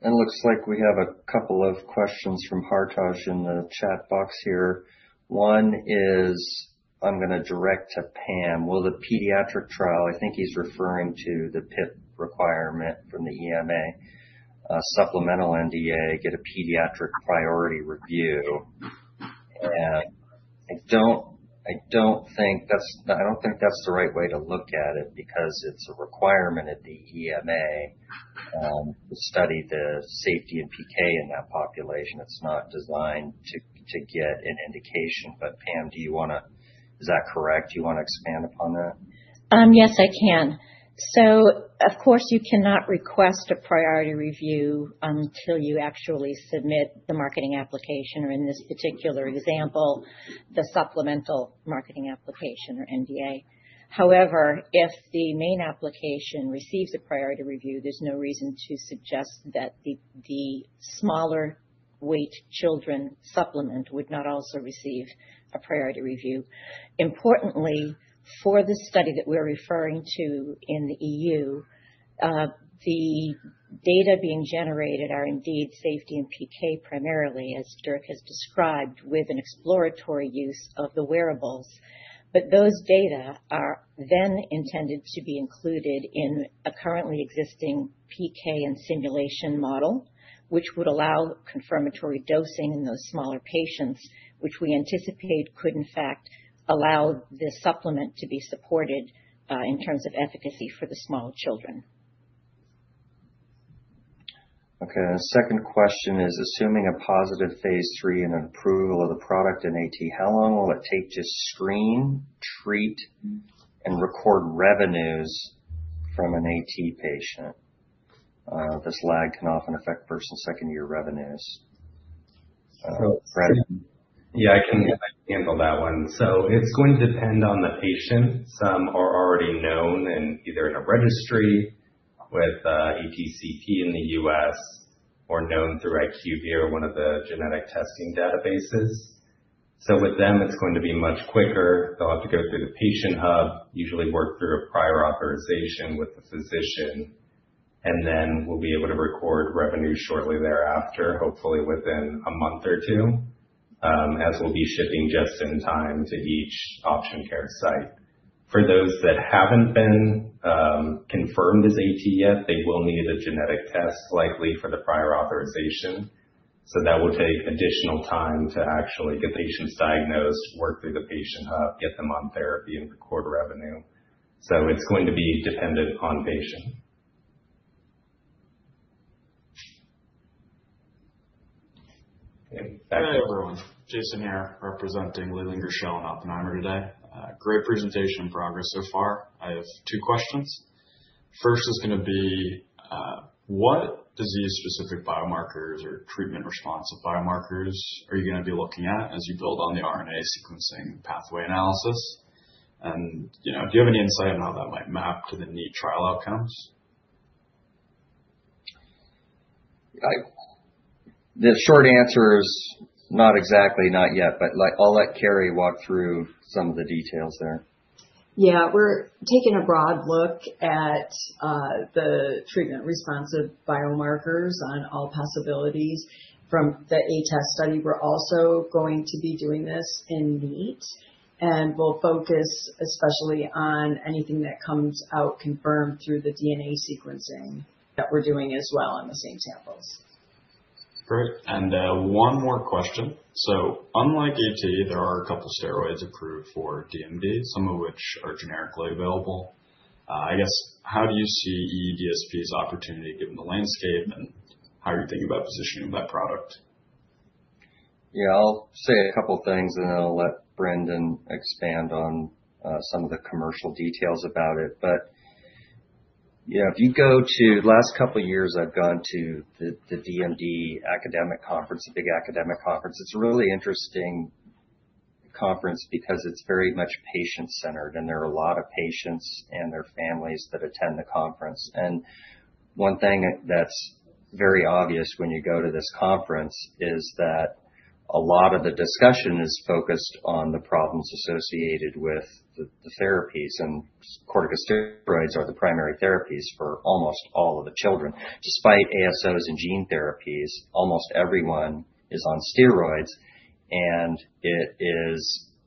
And it looks like we have a couple of questions from Hartaj in the chat box here. One is I'm going to direct to Pam. Will the pediatric trial, I think he's referring to the PIP requirement from the EMA, supplemental NDA, get a pediatric priority review? And I don't think that's, I don't think that's the right way to look at it because it's a requirement at the EMA to study the safety and PK in that population. It's not designed to get an indication. But Pam, do you want to, is that correct? Do you want to expand upon that? Yes, I can. So of course, you cannot request a priority review until you actually submit the marketing application, or in this particular example, the supplemental marketing application or NDA. However, if the main application receives a priority review, there's no reason to suggest that the smaller weight children supplement would not also receive a priority review. Importantly, for the study that we're referring to in the EU, the data being generated are indeed safety and PK primarily, as Dirk has described, with an exploratory use of the wearables. But those data are then intended to be included in a currently existing PK and simulation model, which would allow confirmatory dosing in those smaller patients, which we anticipate could, in fact, allow the supplement to be supported in terms of efficacy for the small children. Okay. Second question is, assuming a positive phase III and approval of the product in AT, how long will it take to screen, treat, and record revenues from an AT patient? This lag can often affect first and second-year revenues. Yeah, I can handle that one. So it's going to depend on the patient. Some are already known and either in a registry with A-T CP in the U.S. or known through IQVIA, one of the genetic testing databases. So with them, it's going to be much quicker. They'll have to go through the patient hub, usually work through a prior authorization with the physician, and then we'll be able to record revenue shortly thereafter, hopefully within a month or two, as we'll be shipping just in time to each Option Care site. For those that haven't been confirmed as AT yet, they will need a genetic test, likely for the prior authorization. So that will take additional time to actually get patients diagnosed, work through the patient hub, get them on therapy, and record revenue. So it's going to be dependent on patient. Hey, everyone. Jason here representing Leland Gershell and Oppenheimer today. Great presentation and progress so far. I have two questions. First is going to be, what disease-specific biomarkers or treatment response of biomarkers are you going to be looking at as you build on the RNA sequencing pathway analysis? And do you have any insight on how that might map to the neat trial outcomes? The short answer is not exactly not yet, but I'll let Caralee walk through some of the details there. Yeah. We're taking a broad look at the treatment response of biomarkers on all possibilities from the A test study. We're also going to be doing this in neat, and we'll focus especially on anything that comes out confirmed through the DNA sequencing that we're doing as well on the same samples. Great. And one more question. So unlike AT, there are a couple of steroids approved for DMD, some of which are generically available. I guess, how do you see eDSP's opportunity given the landscape, and how are you thinking about positioning that product? Yeah, I'll say a couple of things, and then I'll let Brendan expand on some of the commercial details about it. But yeah, if you go to the last couple of years, I've gone to the DMD academic conference, the big academic conference. It's a really interesting conference because it's very much patient-centered, and there are a lot of patients and their families that attend the conference. And one thing that's very obvious when you go to this conference is that a lot of the discussion is focused on the problems associated with the therapies. And corticosteroids are the primary therapies for almost all of the children. Despite ASOs and gene therapies, almost everyone is on steroids, and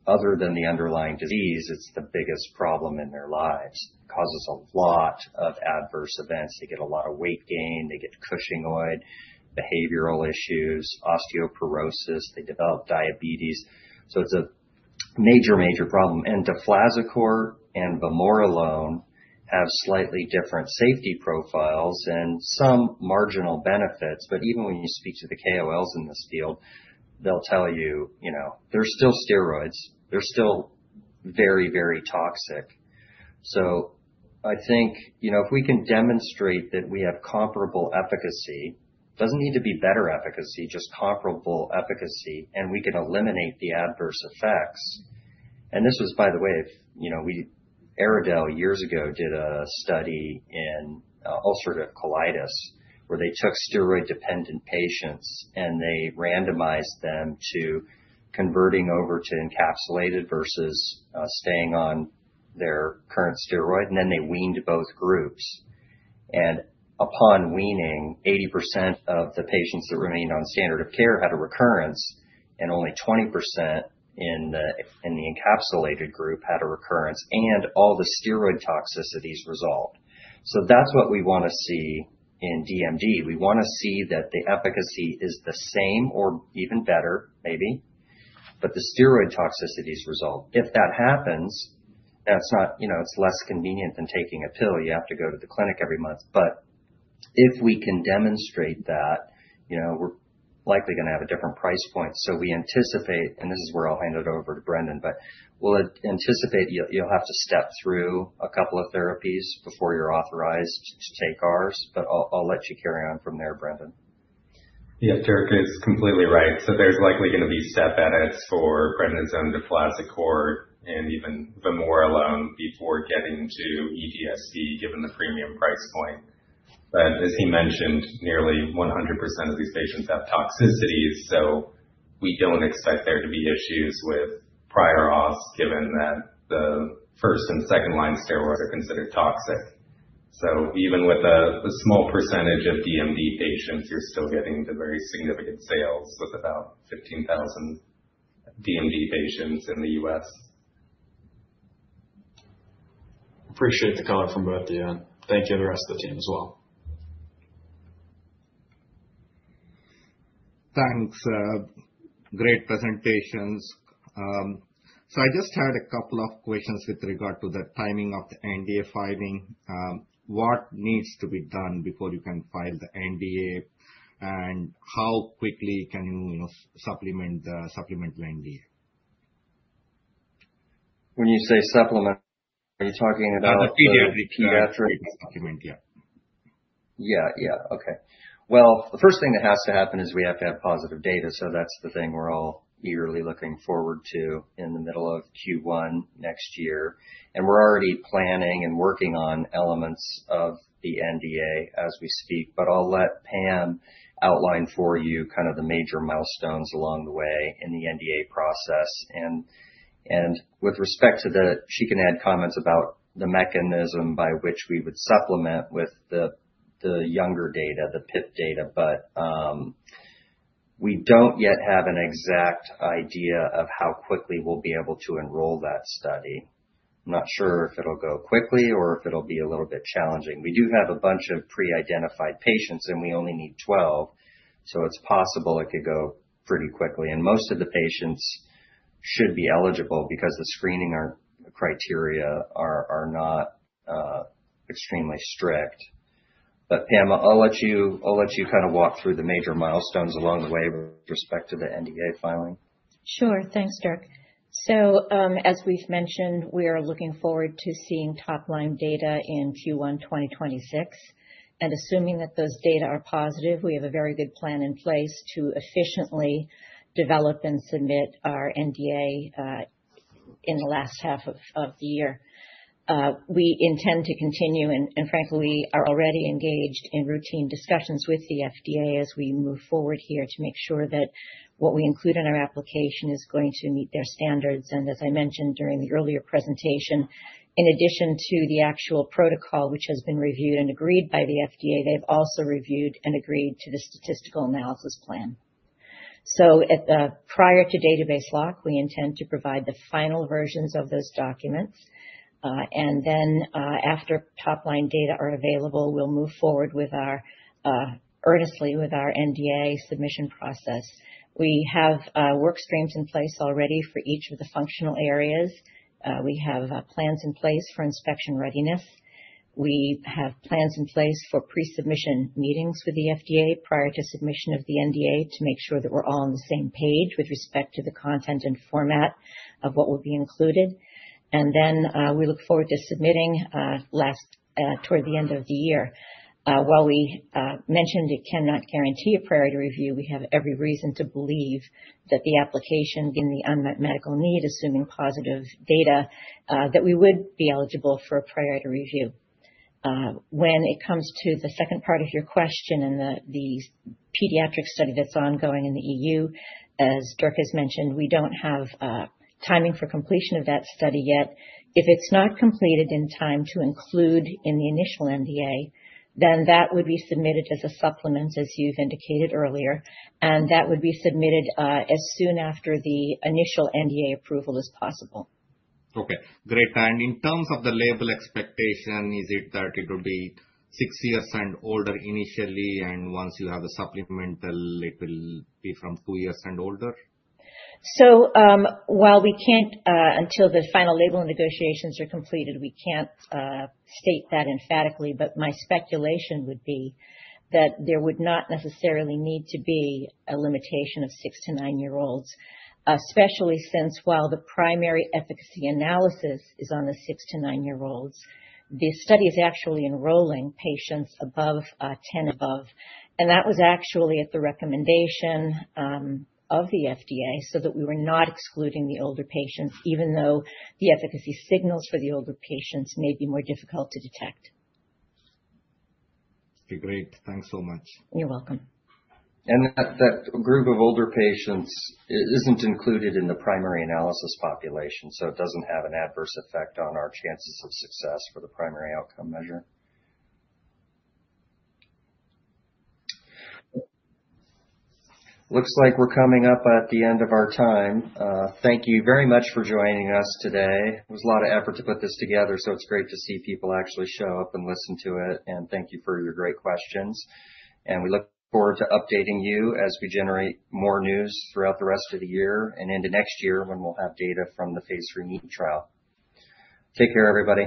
other than the underlying disease, it's the biggest problem in their lives. It causes a lot of adverse events. They get a lot of weight gain. They get Cushingoid, behavioral issues, osteoporosis. They develop diabetes. So it's a major, major problem, and Deflazacort and Vamorolone have slightly different safety profiles and some marginal benefits, but even when you speak to the KOLs in this field, they'll tell you they're still steroids. They're still very, very toxic, so I think if we can demonstrate that we have comparable efficacy, it doesn't need to be better efficacy, just comparable efficacy, and we can eliminate the adverse effects. This was, by the way, we at EryDel years ago did a study in ulcerative colitis where they took steroid-dependent patients, and they randomized them to converting over to encapsulated versus staying on their current steroid. Then they weaned both groups. Upon weaning, 80% of the patients that remained on standard of care had a recurrence, and only 20% in the encapsulated group had a recurrence, and all the steroid toxicities resolved. That's what we want to see in DMD. We want to see that the efficacy is the same or even better, maybe, but the steroid toxicities resolve. If that happens, it's less convenient than taking a pill. You have to go to the clinic every month. If we can demonstrate that, we're likely going to have a different price point. So we anticipate, and this is where I'll hand it over to Brendan, but we'll anticipate you'll have to step through a couple of therapies before you're authorized to take ours. But I'll let you carry on from there, Brendan. Yeah, Dirk is completely right. So there's likely going to be step edits for branded Deflazacort and even Vamorolone before getting to eDSP, given the premium price point. But as he mentioned, nearly 100% of these patients have toxicities. So we don't expect there to be issues with prior auths, given that the first and second-line steroids are considered toxic. So even with a small percentage of DMD patients, you're still getting the very significant sales with about 15,000 DMD patients in the U.S. Appreciate the comment from both of you. And thank you to the rest of the team as well. Thanks. Great presentations. So I just had a couple of questions with regard to the timing of the NDA filing. What needs to be done before you can file the NDA, and how quickly can you supplement the supplemental NDA? When you say supplement, are you talking about the pediatric document? Yeah. Yeah. Yeah. Okay. Well, the first thing that has to happen is we have to have positive data. So that's the thing we're all eagerly looking forward to in the middle of Q1 next year. And we're already planning and working on elements of the NDA as we speak. But I'll let Pam outline for you kind of the major milestones along the way in the NDA process. And with respect to that, she can add comments about the mechanism by which we would supplement with the younger data, the PIP data. But we don't yet have an exact idea of how quickly we'll be able to enroll that study. I'm not sure if it'll go quickly or if it'll be a little bit challenging. We do have a bunch of pre-identified patients, and we only need 12. So it's possible it could go pretty quickly. And most of the patients should be eligible because the screening criteria are not extremely strict. But Pam, I'll let you kind of walk through the major milestones along the way with respect to the NDA filing. Sure. Thanks, Dirk. So as we've mentioned, we are looking forward to seeing top-line data in Q1 2026. And assuming that those data are positive, we have a very good plan in place to efficiently develop and submit our NDA in the last half of the year. We intend to continue, and frankly, we are already engaged in routine discussions with the FDA as we move forward here to make sure that what we include in our application is going to meet their standards. And as I mentioned during the earlier presentation, in addition to the actual protocol, which has been reviewed and agreed by the FDA, they've also reviewed and agreed to the statistical analysis plan. So prior to database lock, we intend to provide the final versions of those documents. And then after top-line data are available, we'll move forward earnestly with our NDA submission process. We have work streams in place already for each of the functional areas. We have plans in place for inspection readiness. We have plans in place for pre-submission meetings with the FDA prior to submission of the NDA to make sure that we're all on the same page with respect to the content and format of what will be included, and then we look forward to submitting toward the end of the year. While we mentioned, it cannot guarantee a priority review, we have every reason to believe that the application given the unmet medical need, assuming positive data, that we would be eligible for a priority review. When it comes to the second part of your question and the pediatric study that's ongoing in the EU, as Dirk has mentioned, we don't have timing for completion of that study yet. If it's not completed in time to include in the initial NDA, then that would be submitted as a supplement, as you've indicated earlier. That would be submitted as soon after the initial NDA approval as possible. Okay. Great. And in terms of the label expectation, is it that it will be six years and older initially, and once you have the supplemental, it will be from two years and older? So while we can't, until the final label negotiations are completed, we can't state that emphatically. But my speculation would be that there would not necessarily need to be a limitation of six to nine-year-olds, especially since while the primary efficacy analysis is on the six to nine-year-olds, the study is actually enrolling patients above 10. And that was actually at the recommendation of the FDA so that we were not excluding the older patients, even though the efficacy signals for the older patients may be more difficult to detect. Okay. Great. Thanks so much. You're welcome. And that group of older patients isn't included in the primary analysis population, so it doesn't have an adverse effect on our chances of success for the primary outcome measure. Looks like we're coming up at the end of our time. Thank you very much for joining us today. It was a lot of effort to put this together, so it's great to see people actually show up and listen to it. And thank you for your great questions. And we look forward to updating you as we generate more news throughout the rest of the year and into next year when we'll have data from the phase III NEAT trial. Take care, everybody.